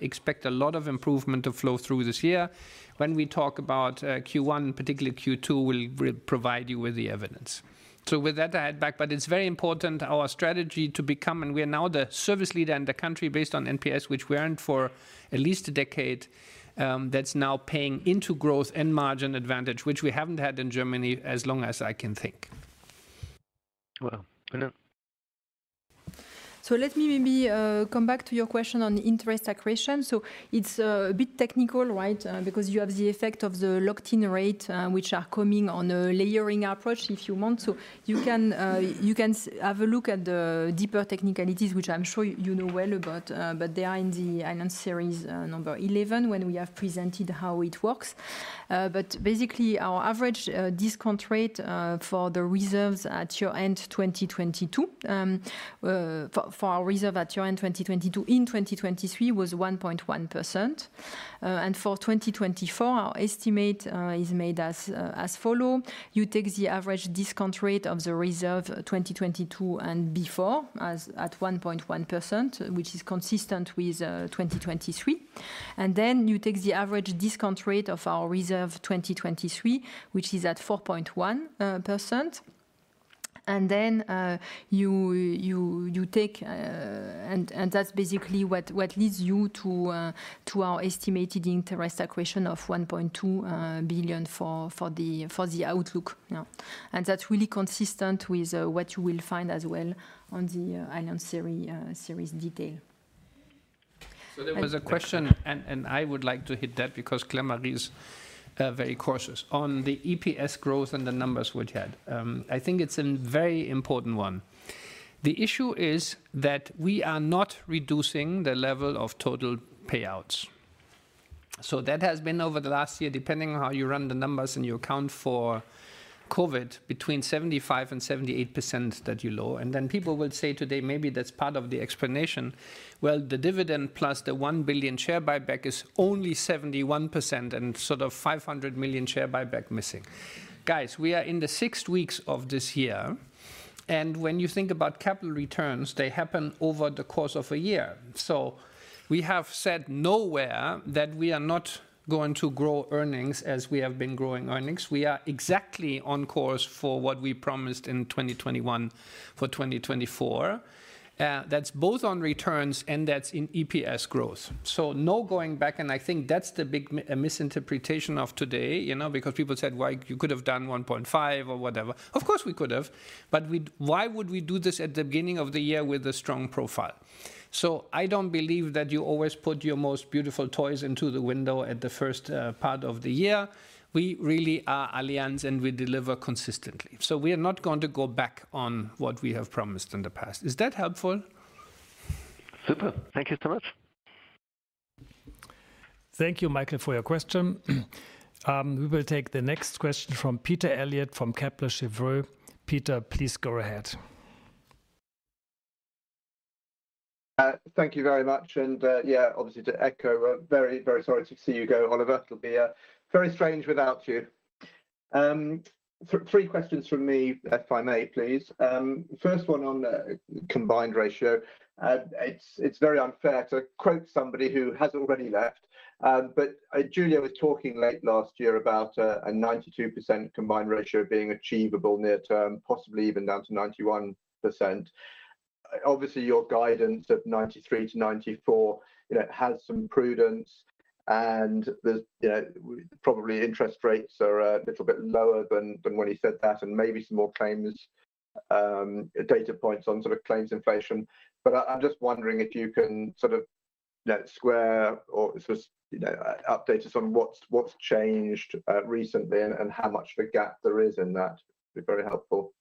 expect a lot of improvement to flow through this year. When we talk about Q1, particularly Q2, we'll provide you with the evidence. So with that, I head back. It's very important, our strategy to become and we are now the service leader in the country based on NPS, which we earned for at least a decade. That's now paying into growth and margin advantage, which we haven't had in Germany as long as I can think. Wow. So let me maybe come back to your question on interest accretion. So it's a bit technical, right, because you have the effect of the locked-in rate, which are coming on a layering approach, if you want. So you can have a look at the deeper technicalities, which I'm sure you know well about. But they are in the Allianz Series 11 when we have presented how it works. But basically, our average discount rate for the reserves at year-end 2022 for our reserve at year-end 2022 in 2023 was 1.1%. And for 2024, our estimate is made as follows. You take the average discount rate of the reserve 2022 and before at 1.1%, which is consistent with 2023. And then you take the average discount rate of our reserve 2023, which is at 4.1%. Then you take and that's basically what leads you to our estimated interest accretion of 1.2 billion for the outlook. That's really consistent with what you will find as well on the Allianz series detail. So there was a question. And I would like to hit that because Claire-Marie is very cautious on the EPS growth and the numbers we've had. I think it's a very important one. The issue is that we are not reducing the level of total payouts. So that has been, over the last year, depending on how you run the numbers and you account for COVID, between 75% and 78% that you lower. And then people will say today, maybe that's part of the explanation, well, the dividend plus the 1 billion share buyback is only 71% and sort of 500 million share buyback missing. Guys, we are in the sixth weeks of this year. And when you think about capital returns, they happen over the course of a year. So we have said nowhere that we are not going to grow earnings as we have been growing earnings. We are exactly on course for what we promised in 2021 for 2024. That's both on returns. And that's in EPS growth. So no going back. And I think that's the big misinterpretation of today because people said, well, you could have done 1.5% or whatever. Of course, we could have. But why would we do this at the beginning of the year with a strong profile? So I don't believe that you always put your most beautiful toys into the window at the first part of the year. We really are Allianz. And we deliver consistently. So we are not going to go back on what we have promised in the past. Is that helpful? Super. Thank you so much. Thank you, Michael, for your question. We will take the next question from Peter Eliot from Kepler Cheuvreux. Peter, please go ahead. Thank you very much. And yeah, obviously, to echo, very, very sorry to see you go, Oliver. It'll be very strange without you. Three questions from me, if I may, please. First one on the combined ratio. It's very unfair to quote somebody who has already left. But Giulio was talking late last year about a 92% combined ratio being achievable near term, possibly even down to 91%. Obviously, your guidance of 93%-94% has some prudence. And probably interest rates are a little bit lower than when he said that and maybe some more data points on sort of claims inflation. But I'm just wondering if you can sort of square or update us on what's changed recently and how much of a gap there is in that. It'd be very helpful.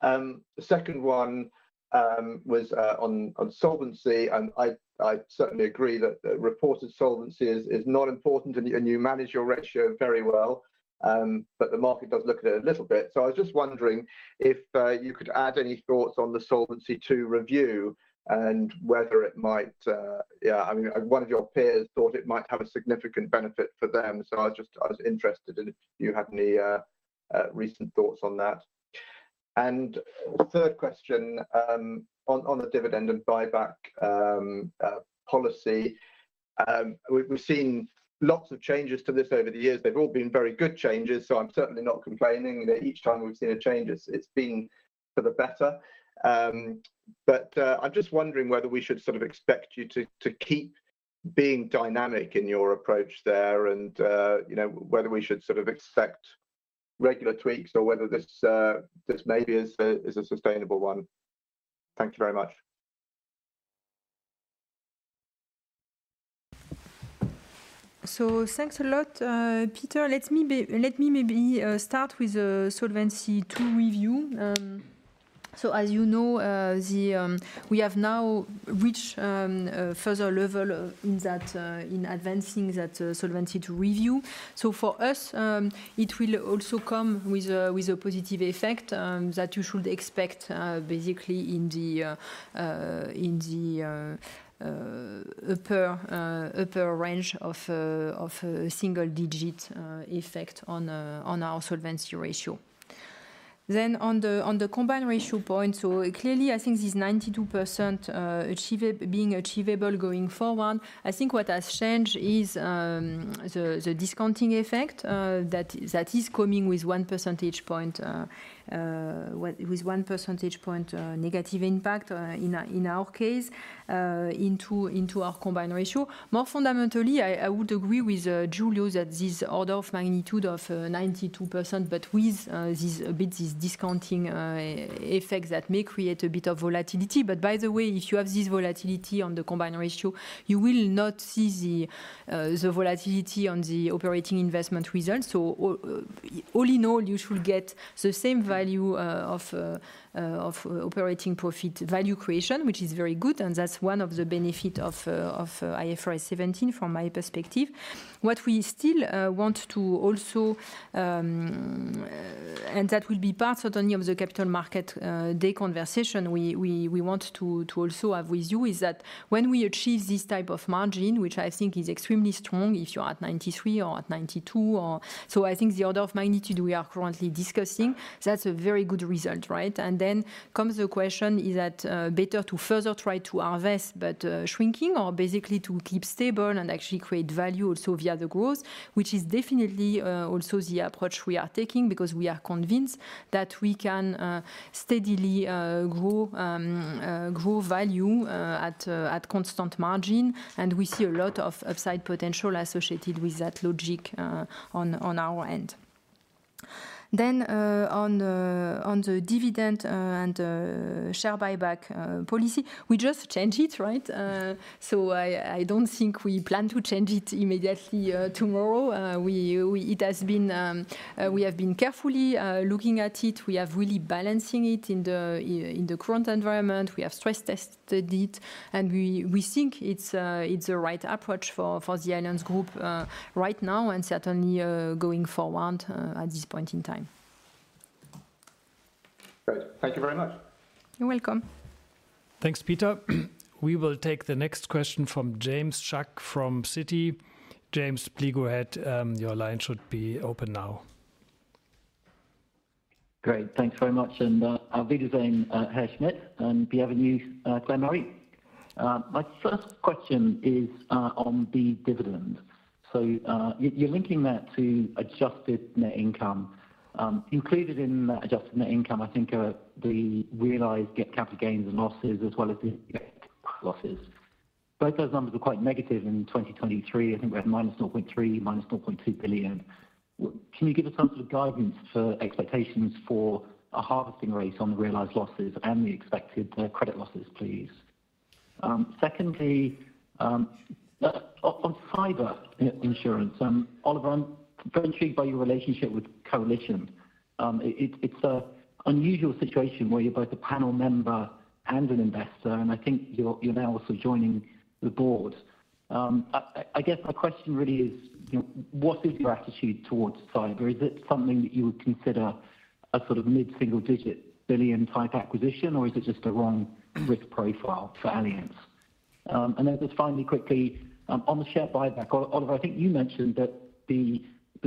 The second one was on solvency. And I certainly agree that reported solvency is not important. You manage your ratio very well. But the market does look at it a little bit. I was just wondering if you could add any thoughts on the Solvency II review and whether it might—yeah, I mean, one of your peers thought it might have a significant benefit for them. I was interested in if you had any recent thoughts on that. Third question on the dividend and buyback policy. We've seen lots of changes to this over the years. They've all been very good changes. I'm certainly not complaining. Each time we've seen a change, it's been for the better. But I'm just wondering whether we should sort of expect you to keep being dynamic in your approach there and whether we should sort of expect regular tweaks or whether this maybe is a sustainable one. Thank you very much. So thanks a lot, Peter. Let me maybe start with the Solvency II review. So as you know, we have now reached a further level in advancing that Solvency II review. So for us, it will also come with a positive effect that you should expect, basically, in the upper range of a single-digit effect on our solvency ratio. Then on the combined ratio point, so clearly, I think this 92% being achievable going forward, I think what has changed is the discounting effect that is coming with 1 percentage point negative impact, in our case, into our combined ratio. More fundamentally, I would agree with Giulio that this order of magnitude of 92%, but with a bit this discounting effect that may create a bit of volatility. But by the way, if you have this volatility on the Combined Ratio, you will not see the volatility on the operating investment results. So all in all, you should get the same value of Operating Profit value creation, which is very good. And that's one of the benefits of IFRS 17 from my perspective. What we still want to also and that will be part, certainly, of the capital market day conversation we want to also have with you is that when we achieve this type of margin, which I think is extremely strong if you're at 93% or at 92% or so I think the order of magnitude we are currently discussing, that's a very good result, right? And then comes the question, is it better to further try to harvest but shrinking or basically to keep stable and actually create value also via the growth, which is definitely also the approach we are taking because we are convinced that we can steadily grow value at constant margin. And we see a lot of upside potential associated with that logic on our end. Then on the dividend and share buyback policy, we just changed it, right? So I don't think we plan to change it immediately tomorrow. We have been carefully looking at it. We are really balancing it in the current environment. We have stress tested it. And we think it's the right approach for the Allianz Group right now and certainly going forward at this point in time. Great. Thank you very much. You're welcome. Thanks, Peter. We will take the next question from James Shuck from Citi. James, please go ahead. Your line should be open now. Great. Thanks very much. And Andrew Sinclair at BofA, Claire-Marie. My first question is on the dividend. So you're linking that to adjusted net income. Included in that adjusted net income, I think, are the realized capital gains and losses as well as the expected losses. Both those numbers were quite negative in 2023. I think we had -0.3%, -0.2 billion. Can you give us some sort of guidance for expectations for a harvesting rate on the realized losses and the expected credit losses, please? Secondly, on cyber insurance, Oliver, I'm very intrigued by your relationship with Coalition. It's an unusual situation where you're both a panel member and an investor. And I think you're now also joining the board. I guess my question really is, what is your attitude towards cyber? Is it something that you would consider a sort of mid-single-digit billion type acquisition? Or is it just a wrong risk profile for Allianz? And then just finally, quickly, on the share buyback, Oliver, I think you mentioned that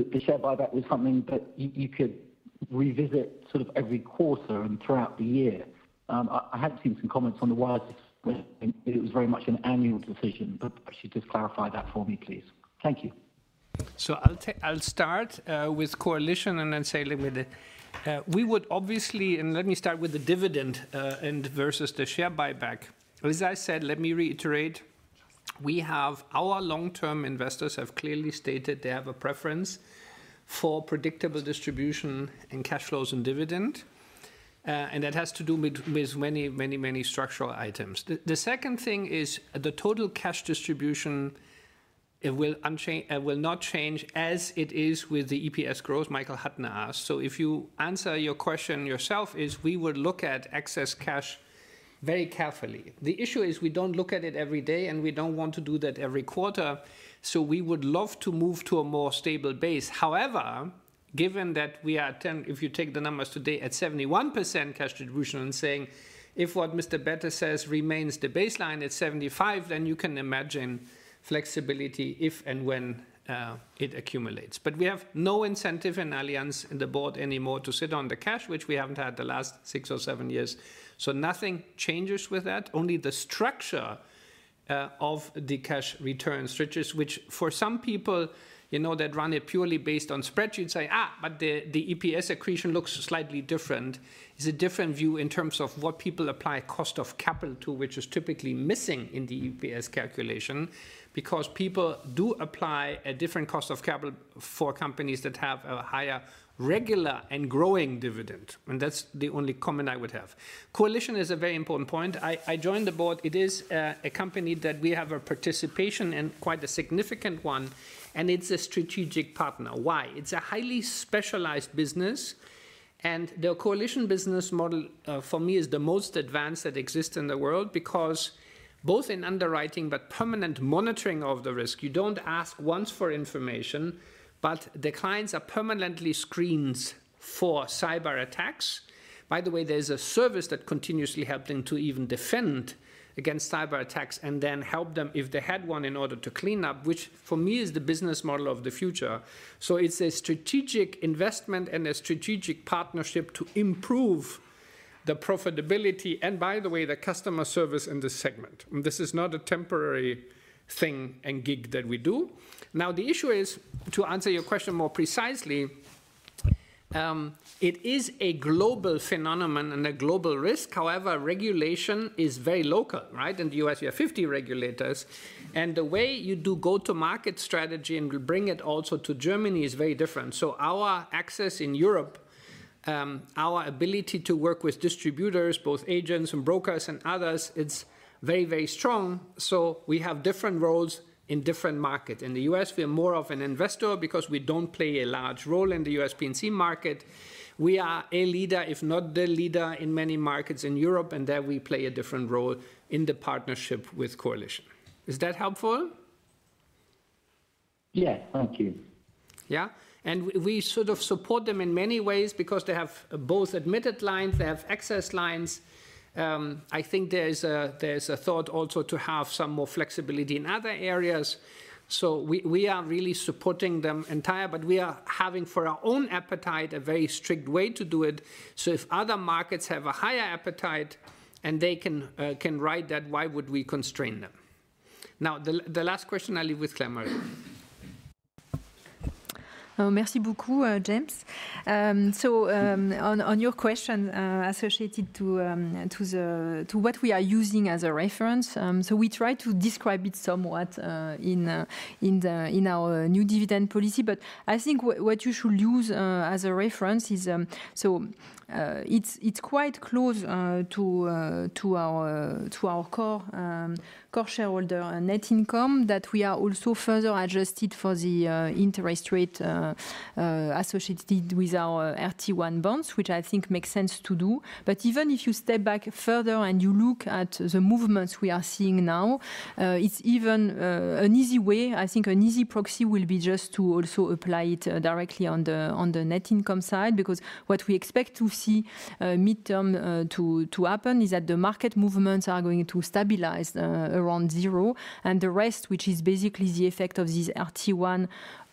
the share buyback was something that you could revisit sort of every quarter and throughout the year. I had seen some comments on the wires where it was very much an annual decision. But could you just clarify that for me, please? Thank you. So I'll start with Coalition and then say a little bit we would obviously and let me start with the dividend versus the share buyback. As I said, let me reiterate. Our long-term investors have clearly stated they have a preference for predictable distribution in cash flows and dividend. And that has to do with many, many, many structural items. The second thing is the total cash distribution will not change as it is with the EPS growth, Michael Huttner asked. So if you answer your question yourself, is we would look at excess cash very carefully. The issue is we don't look at it every day. And we don't want to do that every quarter. So we would love to move to a more stable base. However, given that we are if you take the numbers today at 71% cash distribution and saying, if what Mr. Bäte says remains the baseline at 75%, then you can imagine flexibility if and when it accumulates. But we have no incentive in Allianz and the board anymore to sit on the cash, which we haven't had the last six or seven years. So nothing changes with that, only the structure of the cash returns, which is why for some people that run it purely based on spreadsheets say, but the EPS accretion looks slightly different. It's a different view in terms of what people apply cost of capital to, which is typically missing in the EPS calculation because people do apply a different cost of capital for companies that have a higher regular and growing dividend. And that's the only comment I would have. Coalition is a very important point. I joined the board. It is a company that we have a participation in, quite a significant one. And it's a strategic partner. Why? It's a highly specialized business. And their Coalition business model, for me, is the most advanced that exists in the world because both in underwriting but permanent monitoring of the risk, you don't ask once for information. But the clients are permanently screened for cyberattacks. By the way, there is a service that continuously helps them to even defend against cyberattacks and then help them if they had one in order to clean up, which, for me, is the business model of the future. So it's a strategic investment and a strategic partnership to improve the profitability and, by the way, the customer service in this segment. This is not a temporary thing and gig that we do. Now, the issue is, to answer your question more precisely, it is a global phenomenon and a global risk. However, regulation is very local, right? In the U.S., we have 50 regulators. The way you do go-to-market strategy and will bring it also to Germany is very different. Our access in Europe, our ability to work with distributors, both agents and brokers and others, it's very, very strong. We have different roles in different markets. In the U.S., we are more of an investor because we don't play a large role in the U.S. P&C market. We are a leader, if not the leader, in many markets in Europe. There, we play a different role in the partnership with Coalition. Is that helpful? Yes. Thank you. Yeah? And we sort of support them in many ways because they have both admitted lines. They have excess lines. I think there is a thought also to have some more flexibility in other areas. So we are really supporting them entirely. But we are having, for our own appetite, a very strict way to do it. So if other markets have a higher appetite and they can write that, why would we constrain them? Now, the last question, I'll leave with Claire-Marie. Merci beaucoup, James. So on your question associated to what we are using as a reference, so we try to describe it somewhat in our new dividend policy. But I think what you should use as a reference is so it's quite close to our core shareholder net income that we are also further adjusted for the interest rate associated with our RT1 bonds, which I think makes sense to do. But even if you step back further and you look at the movements we are seeing now, it's even an easy way I think an easy proxy will be just to also apply it directly on the net income side because what we expect to see mid-term to happen is that the market movements are going to stabilize around zero. And the rest, which is basically the effect of this RT1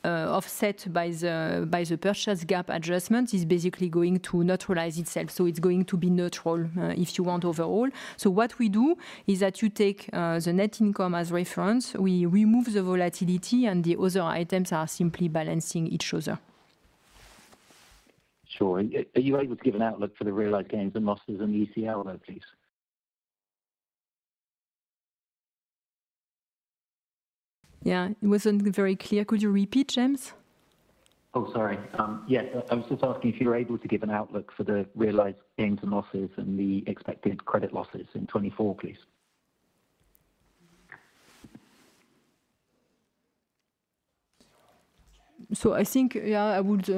offset by the purchase gap adjustment, is basically going to neutralize itself. So it's going to be neutral, if you want, overall. So what we do is that you take the net income as reference. We remove the volatility. And the other items are simply balancing each other. Sure. Are you able to give an outlook for the realized gains and losses and the ECL there, please? Yeah. It wasn't very clear. Could you repeat, James? Oh, sorry. Yes. I was just asking if you were able to give an outlook for the realized gains and losses and the expected credit losses in 2024, please? I think, yeah, I would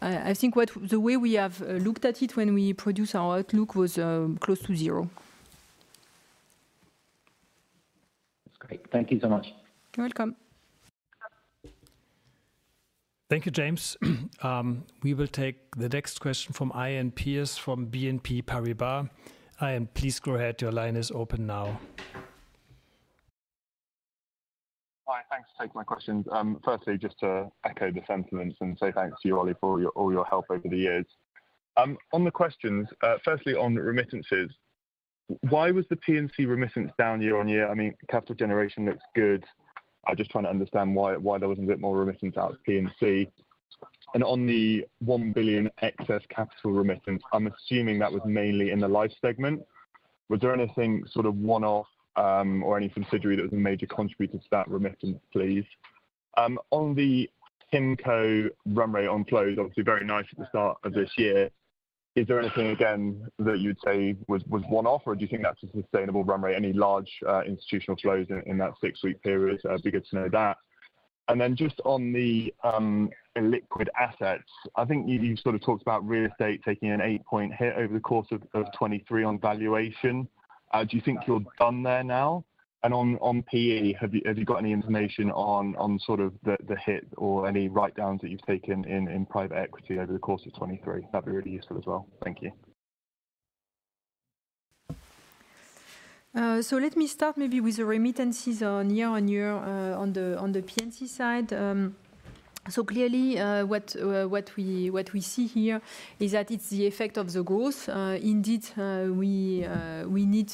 I think the way we have looked at it when we produce our outlook was close to zero. That's great. Thank you so much. You're welcome. Thank you, James. We will take the next question from Iain Pearce from BNP Paribas. Iain, please go ahead. Your line is open now. Hi. Thanks for taking my questions. Firstly, just to echo the sentiments and say thanks to you, Ollie, for all your help over the years. On the questions, firstly, on remittances, why was the P&C remittance down year-on-year? I mean, capital generation looks good. I'm just trying to understand why there was a bit more remittance out of P&C. And on the 1 billion excess capital remittance, I'm assuming that was mainly in the life segment. Was there anything sort of one-off or any subsidiary that was a major contributor to that remittance, please? On the PIMCO run rate on flows, obviously, very nice at the start of this year, is there anything, again, that you would say was one-off? Or do you think that's a sustainable run rate? Any large institutional flows in that six-week period? It'd be good to know that. And then just on the illiquid assets, I think you sort of talked about real estate taking an 8-point hit over the course of 2023 on valuation. Do you think you're done there now? And on P/E, have you got any information on sort of the hit or any write-downs that you've taken in private equity over the course of 2023? That'd be really useful as well. Thank you. So let me start maybe with the remittances year-on-year on the P&C side. So clearly, what we see here is that it's the effect of the growth. Indeed, we need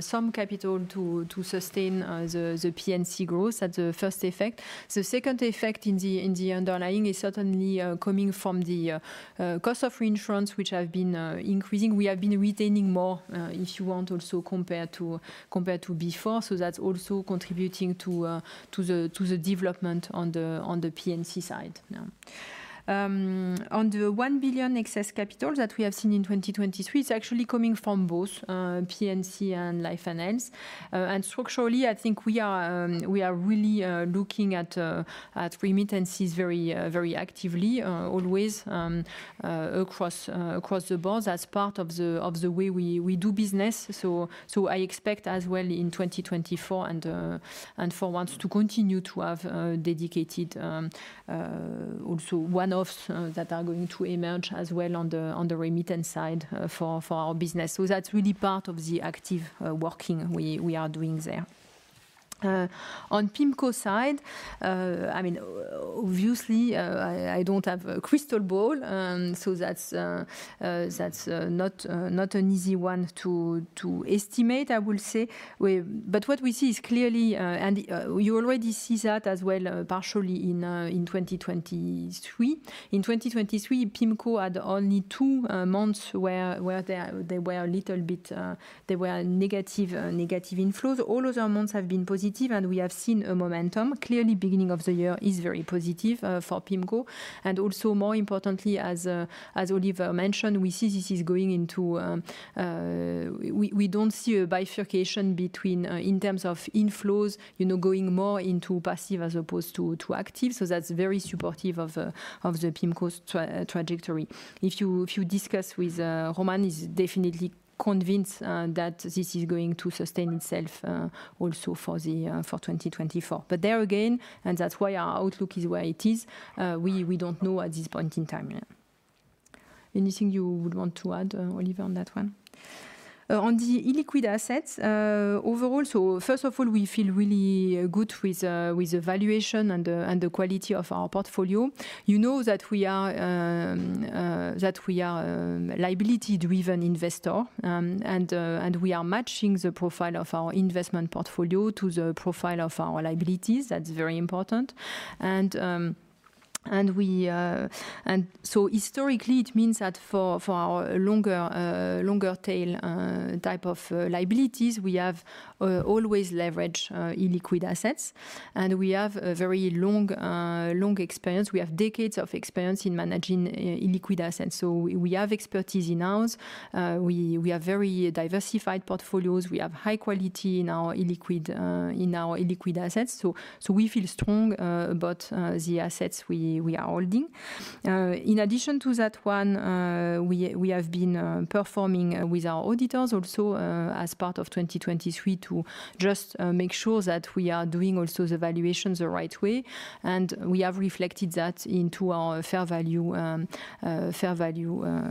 some capital to sustain the P&C growth as the first effect. The second effect in the underlying is certainly coming from the cost of reinsurance, which have been increasing. We have been retaining more, if you want, also compared to before. So that's also contributing to the development on the P&C side now. On the 1 billion excess capital that we have seen in 2023, it's actually coming from both P&C and Life Finance. And structurally, I think we are really looking at remittances very actively, always across the boards as part of the way we do business. So I expect as well in 2024 and forwards to continue to have dedicated also one-offs that are going to emerge as well on the remittance side for our business. So that's really part of the active working we are doing there. On PIMCO side, I mean, obviously, I don't have a crystal ball. So that's not an easy one to estimate, I will say. But what we see is clearly and you already see that as well partially in 2023. In 2023, PIMCO had only two months where they were a little bit negative inflows. All other months have been positive. And we have seen a momentum. Clearly, beginning of the year is very positive for PIMCO. And also, more importantly, as Oliver mentioned, we see this is going into – we don't see a bifurcation between, in terms of, inflows going more into passive as opposed to active. So that's very supportive of the PIMCO trajectory. If you discuss with Roman, he's definitely convinced that this is going to sustain itself also for 2024. But there again, and that's why our outlook is where it is, we don't know at this point in time. Anything you would want to add, Oliver, on that one? On the illiquid assets, overall. So first of all, we feel really good with the valuation and the quality of our portfolio. You know that we are a liability-driven investor. And we are matching the profile of our investment portfolio to the profile of our liabilities. That's very important. And so historically, it means that for our longer-tail type of liabilities, we have always leveraged illiquid assets. And we have a very long experience. We have decades of experience in managing illiquid assets. So we have expertise in-house. We have very diversified portfolios. We have high quality in our illiquid assets. So we feel strong about the assets we are holding. In addition to that one, we have been performing with our auditors also as part of 2023 to just make sure that we are doing also the valuations the right way. And we have reflected that into our fair value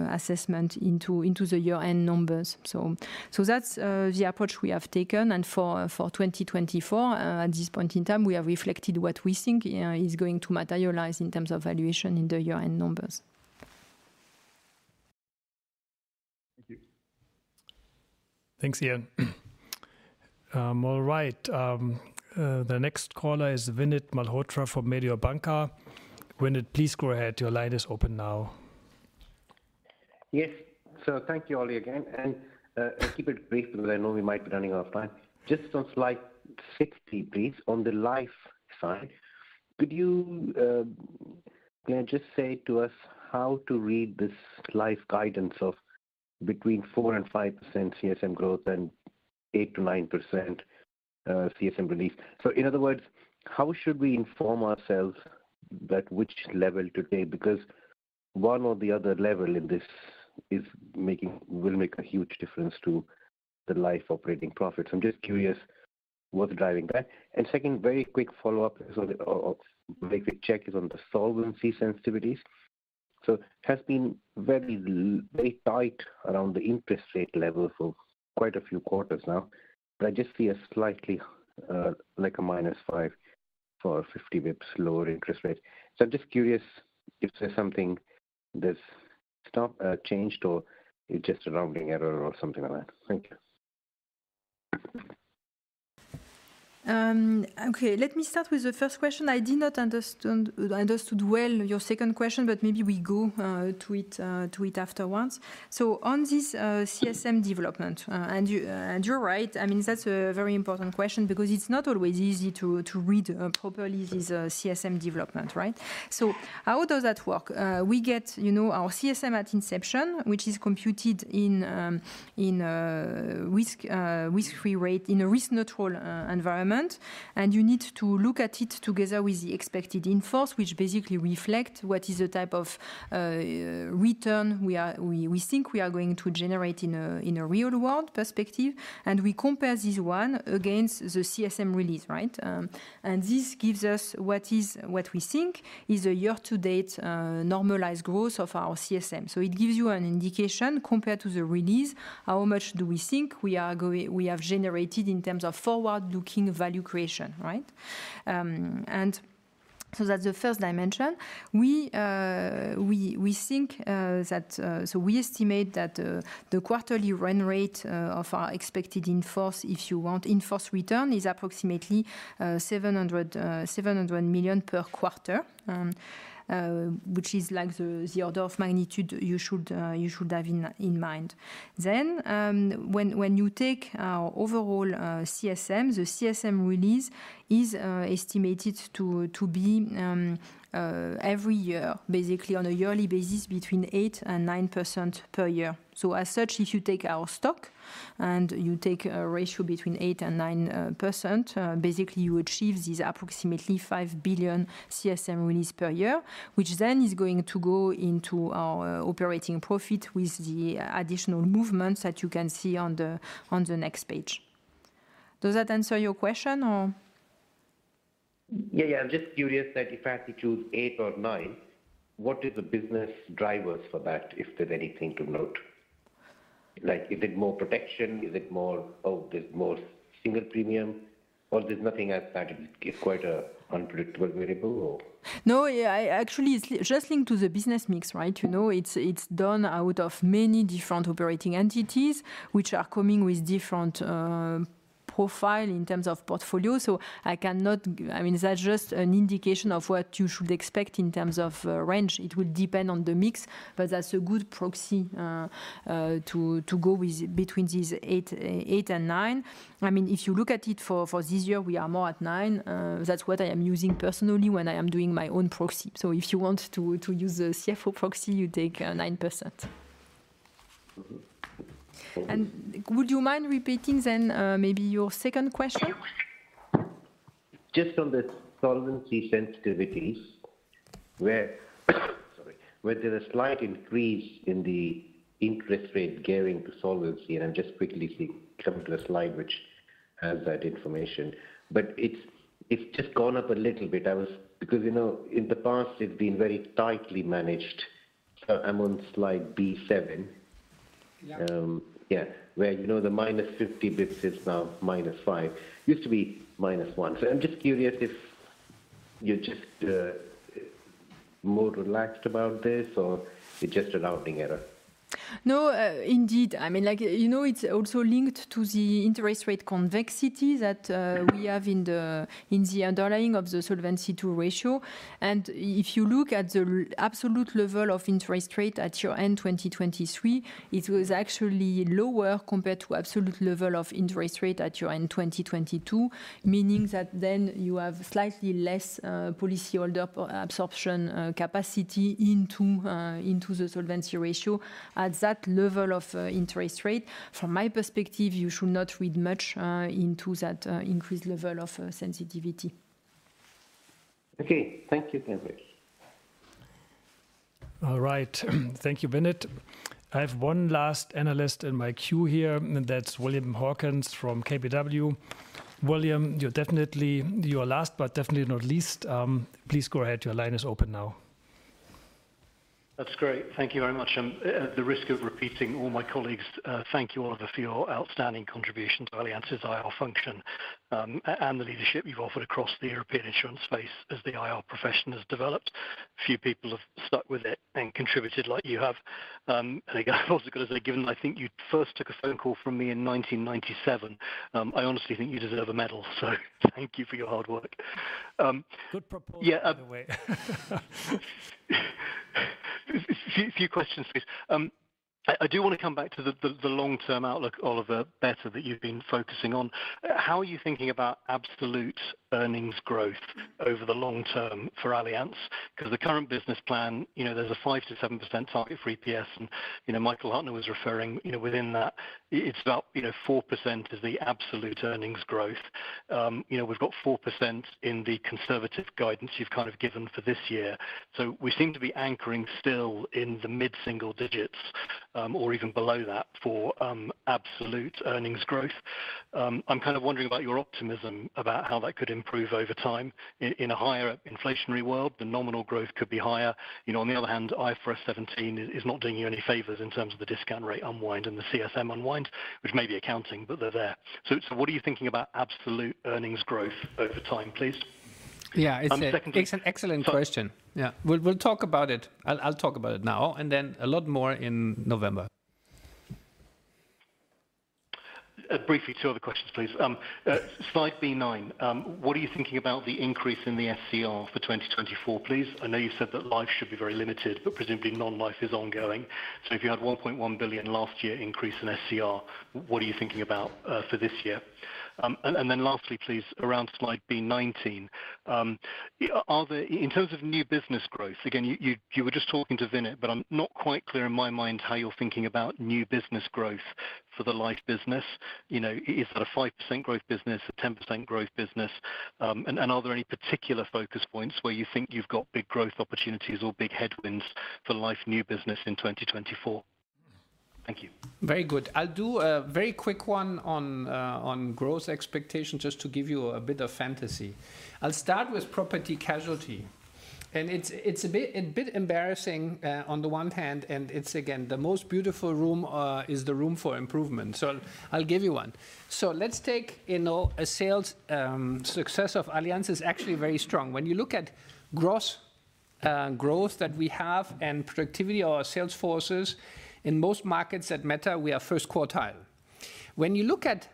assessment into the year-end numbers. So that's the approach we have taken. And for 2024, at this point in time, we have reflected what we think is going to materialize in terms of valuation in the year-end numbers. Thank you. Thanks, Iain. All right. The next caller is Vinit Malhotra from Mediobanca. Vinit, please go ahead. Your line is open now. Yes. So thank you, Ollie, again. And keep it brief because I know we might be running out of time. Just on slide 60, please, on the life side, could you, Claire, just say to us how to read this life guidance of between 4% and 5% CSM growth and 8%-9% CSM relief? So in other words, how should we inform ourselves at which level to take? Because one or the other level in this will make a huge difference to the life operating profit. So I'm just curious what's driving that. And second, very quick follow-up or very quick check is on the solvency sensitivities. So it has been very tight around the interest rate level for quite a few quarters now. But I just see a slightly like a -5% for 50 basis points lower interest rate. I'm just curious if there's something that's changed or it's just a rounding error or something like that. Thank you. Okay. Let me start with the first question. I did not understood well your second question. Maybe we go to it afterwards. On this CSM development and you're right. I mean, that's a very important question because it's not always easy to read properly this CSM development, right? So how does that work? We get our CSM at inception, which is computed in a risk-free rate, in a risk-neutral environment. And you need to look at it together with the expected in force, which basically reflect what is the type of return we think we are going to generate in a real-world perspective. And we compare this one against the CSM release, right? And this gives us what we think is the year-to-date normalized growth of our CSM. So it gives you an indication compared to the release, how much do we think we have generated in terms of forward-looking value creation, right? And so that's the first dimension. We think that so we estimate that the quarterly run rate of our expected in force, if you want, in force return, is approximately 700 million per quarter, which is like the order of magnitude you should have in mind. Then when you take our overall CSM, the CSM release is estimated to be every year, basically on a yearly basis, between 8%-9% per year. So as such, if you take our stock and you take a ratio between 8%-9%, basically, you achieve these approximately 5 billion CSM release per year, which then is going to go into our operating profit with the additional movements that you can see on the next page. Does that answer your question or? Yeah, yeah. I'm just curious that if I had to choose 8% or 9%, what are the business drivers for that, if there's anything to note? Is it more protection? Is it more oh, there's more single premium? Or there's nothing at that? It's quite an unpredictable variable, or? No, yeah. Actually, it's just linked to the business mix, right? It's done out of many different operating entities, which are coming with different profiles in terms of portfolio. So I cannot—I mean, that's just an indication of what you should expect in terms of range. It will depend on the mix. But that's a good proxy to go with between 8%-9%. I mean, if you look at it for this year, we are more at 9%. That's what I am using personally when I am doing my own proxy. So if you want to use the CFO proxy, you take 9%. And would you mind repeating then maybe your second question? Just on the solvency sensitivities, where there's a slight increase in the interest rate gearing to solvency. And I'm just quickly coming to the slide which has that information. But it's just gone up a little bit because in the past, it's been very tightly managed. So I'm on slide B7. Yeah, where the minus 50 bps is now minus 5%. It used to be minus 1%. So I'm just curious if you're just more relaxed about this or it's just a rounding error? No, indeed. I mean, it's also linked to the interest rate convexity that we have in the underlying of the Solvency II ratio. And if you look at the absolute level of interest rate at year-end 2023, it was actually lower compared to absolute level of interest rate at year-end 2022, meaning that then you have slightly less policyholder absorption capacity into the Solvency II ratio at that level of interest rate. From my perspective, you should not read much into that increased level of sensitivity. Okay. Thank you, Cambridge. All right. Thank you, Vinit. I have one last analyst in my queue here. That's William Hawkins from KBW. William, you're definitely you're last but definitely not least. Please go ahead. Your line is open now. That's great. Thank you very much. At the risk of repeating all my colleagues, thank you, Oliver, for your outstanding contributions to Allianz as IR function and the leadership you've offered across the European insurance space as the IR profession has developed. Few people have stuck with it and contributed like you have. Again, I've also got to say, given that I think you first took a phone call from me in 1997, I honestly think you deserve a medal. Thank you for your hard work. Good proposal, by the way. A few questions, please. I do want to come back to the long-term outlook, Oliver, better that you've been focusing on. How are you thinking about absolute earnings growth over the long term for Allianz? Because the current business plan, there's a 5%-7% target for EPS. Michael Huttner was referring within that. It's about 4% is the absolute earnings growth. We've got 4% in the conservative guidance you've kind of given for this year. So we seem to be anchoring still in the mid-single digits or even below that for absolute earnings growth. I'm kind of wondering about your optimism about how that could improve over time. In a higher inflationary world, the nominal growth could be higher. On the other hand, IFRS 17 is not doing you any favors in terms of the discount rate unwind and the CSM unwind, which may be accounting, but they're there. So what are you thinking about absolute earnings growth over time, please? Yeah. It's an excellent question. Yeah. We'll talk about it. I'll talk about it now. And then a lot more in November. Briefly, two other questions, please. Slide B9. What are you thinking about the increase in the SCR for 2024, please? I know you said that life should be very limited, but presumably, non-life is ongoing. So if you had 1.1 billion last year increase in SCR, what are you thinking about for this year? And then lastly, please, around slide B19. In terms of new business growth, again, you were just talking to Vinit. But I'm not quite clear in my mind how you're thinking about new business growth for the life business. Is that a 5% growth business, a 10% growth business? And are there any particular focus points where you think you've got big growth opportunities or big headwinds for life new business in 2024? Thank you. Very good. I'll do a very quick one on growth expectations just to give you a bit of fantasy. I'll start with property-casualty. It's a bit embarrassing on the one hand. It's, again, the most beautiful room is the room for improvement. So I'll give you one. So let's take a sales success of Allianz is actually very strong. When you look at gross growth that we have and productivity of our sales forces, in most markets at least, we are first quartile. When you look at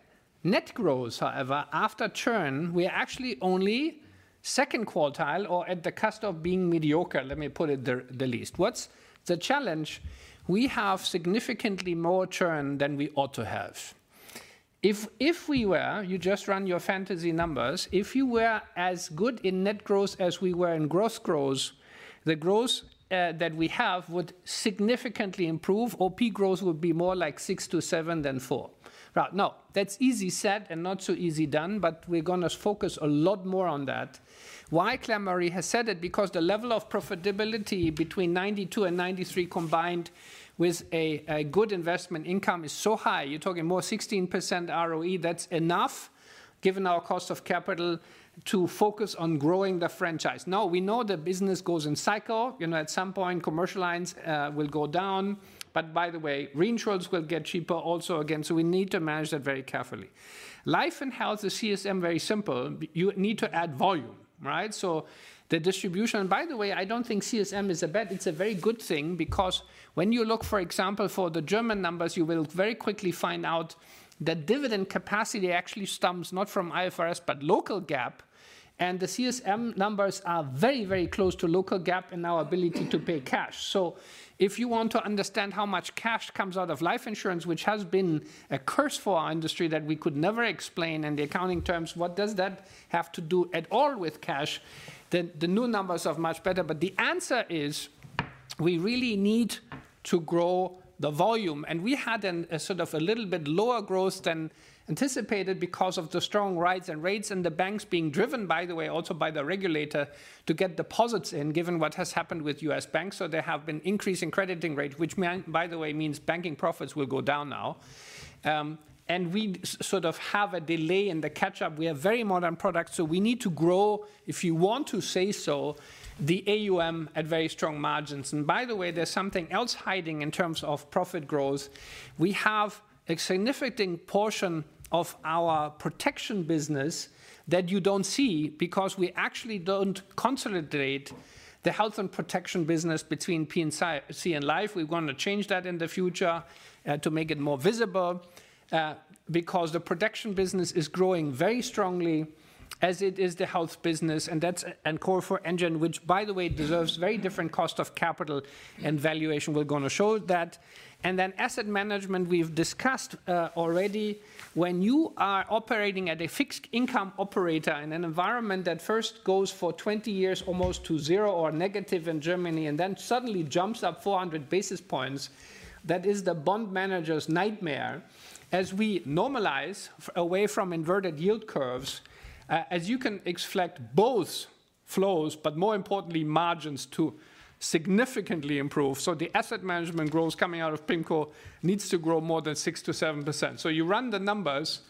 net growth, however, after churn, we are actually only second quartile or at the cusp of being mediocre. Let me put it the least. What's the challenge? We have significantly more churn than we ought to have. If we were you, just run your fantasy numbers if you were as good in net growth as we were in gross growth, the growth that we have would significantly improve. OP growth would be more like 6%-7% than 4%. Right. No, that's easy said and not so easy done. But we're going to focus a lot more on that. Why Claire-Marie has said it? Because the level of profitability between 92%-93% combined with a good investment income is so high. You're talking more 16% ROE. That's enough, given our cost of capital, to focus on growing the franchise. No, we know the business goes in cycle. At some point, commercial lines will go down. But by the way, reinsurance will get cheaper also again. So we need to manage that very carefully. Life and health is CSM very simple. You need to add volume, right? So the distribution and by the way, I don't think CSM is a bad. It's a very good thing because when you look, for example, for the German numbers, you will very quickly find out that dividend capacity actually stems not from IFRS but local GAAP. And the CSM numbers are very, very close to local GAAP in our ability to pay cash. So if you want to understand how much cash comes out of life insurance, which has been a curse for our industry that we could never explain in the accounting terms, what does that have to do at all with cash? Then the new numbers are much better. But the answer is, we really need to grow the volume. And we had a sort of a little bit lower growth than anticipated because of the strong rights and rates and the banks being driven, by the way, also by the regulator, to get deposits in, given what has happened with U.S. banks. So there have been increasing crediting rates, which, by the way, means banking profits will go down now. And we sort of have a delay in the catch-up. We have very modern products. So we need to grow, if you want to say so, the AUM at very strong margins. And by the way, there's something else hiding in terms of profit growth. We have a significant portion of our protection business that you don't see because we actually don't consolidate the health and protection business between P&C and life. We're going to change that in the future to make it more visible because the production business is growing very strongly as is the health business. And that's a core growth engine, which, by the way, deserves very different cost of capital. And valuation is going to show that. And then asset management, we've discussed already. When you are operating as a fixed income operator in an environment that first goes for almost 20 years to 0 or negative in Germany and then suddenly jumps up 400 basis points, that is the bond manager's nightmare. As we normalize away from inverted yield curves, as you can expect both flows but more importantly, margins to significantly improve. So the asset management growth coming out of PIMCO needs to grow more than 6%-7%. So you run the numbers.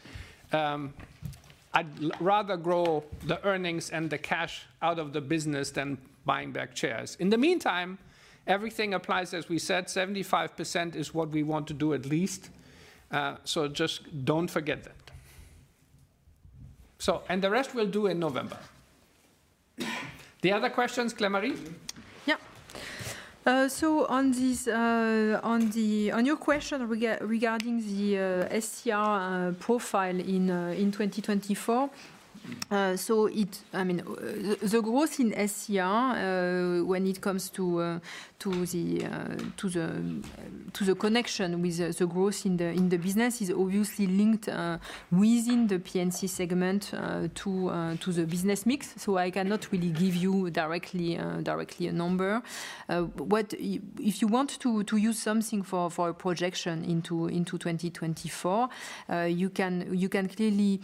I'd rather grow the earnings and the cash out of the business than buying back shares. In the meantime, everything applies, as we said. 75% is what we want to do at least. So just don't forget that. And the rest we'll do in November. The other questions, Claire-Marie? Yeah. So on your question regarding the SCR profile in 2024, so it I mean, the growth in SCR, when it comes to the connection with the growth in the business, is obviously linked within the P&C segment to the business mix. So I cannot really give you directly a number. If you want to use something for a projection into 2024, you can clearly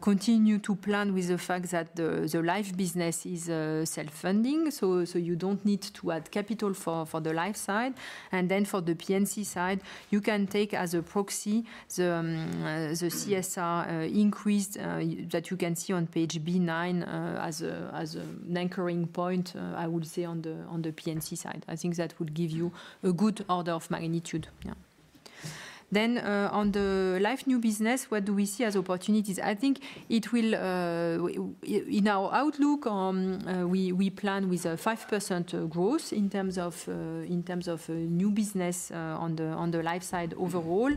continue to plan with the fact that the life business is self-funding. So you don't need to add capital for the life side. And then for the P&C side, you can take as a proxy the SCR increase that you can see on page B9 as an anchoring point, I would say, on the P&C side. I think that would give you a good order of magnitude. Yeah. Then on the life new business, what do we see as opportunities? I think it will in our outlook, we plan with a 5% growth in terms of new business on the life side overall.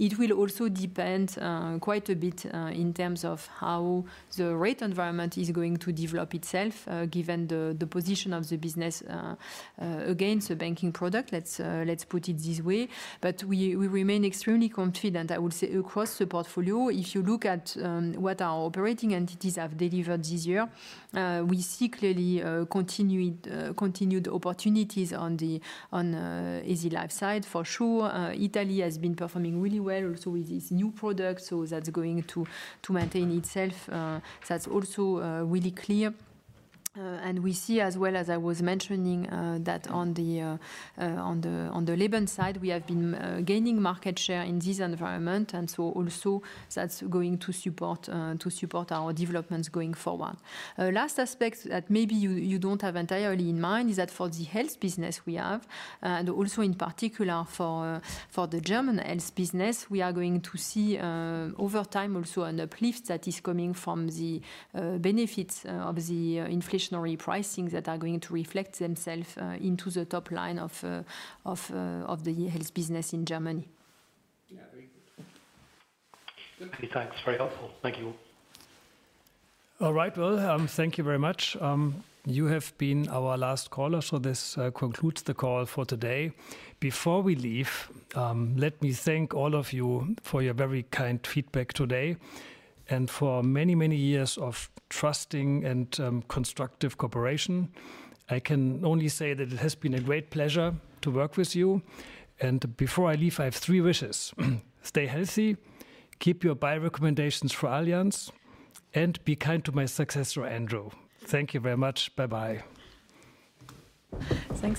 It will also depend quite a bit in terms of how the rate environment is going to develop itself, given the position of the business against the banking product. Let's put it this way. But we remain extremely confident, I would say, across the portfolio. If you look at what our operating entities have delivered this year, we see clearly continued opportunities on the Allianz Life side, for sure. Italy has been performing really well also with this new product. So that's going to maintain itself. That's also really clear. And we see, as well as I was mentioning, that on the life and health side, we have been gaining market share in this environment. And so also, that's going to support our developments going forward. Last aspect that maybe you don't have entirely in mind is that for the health business we have, and also in particular for the German health business, we are going to see over time also an uplift that is coming from the benefits of the inflationary pricing that are going to reflect themselves into the top line of the health business in Germany. Yeah. Very good. Thanks. Very helpful. Thank you all. All right. Well, thank you very much. You have been our last caller. This concludes the call for today. Before we leave, let me thank all of you for your very kind feedback today and for many, many years of trusting and constructive cooperation. I can only say that it has been a great pleasure to work with you. Before I leave, I have three wishes. Stay healthy. Keep your buy recommendations for Allianz. And be kind to my successor, Andrew. Thank you very much. Bye-bye. Thanks.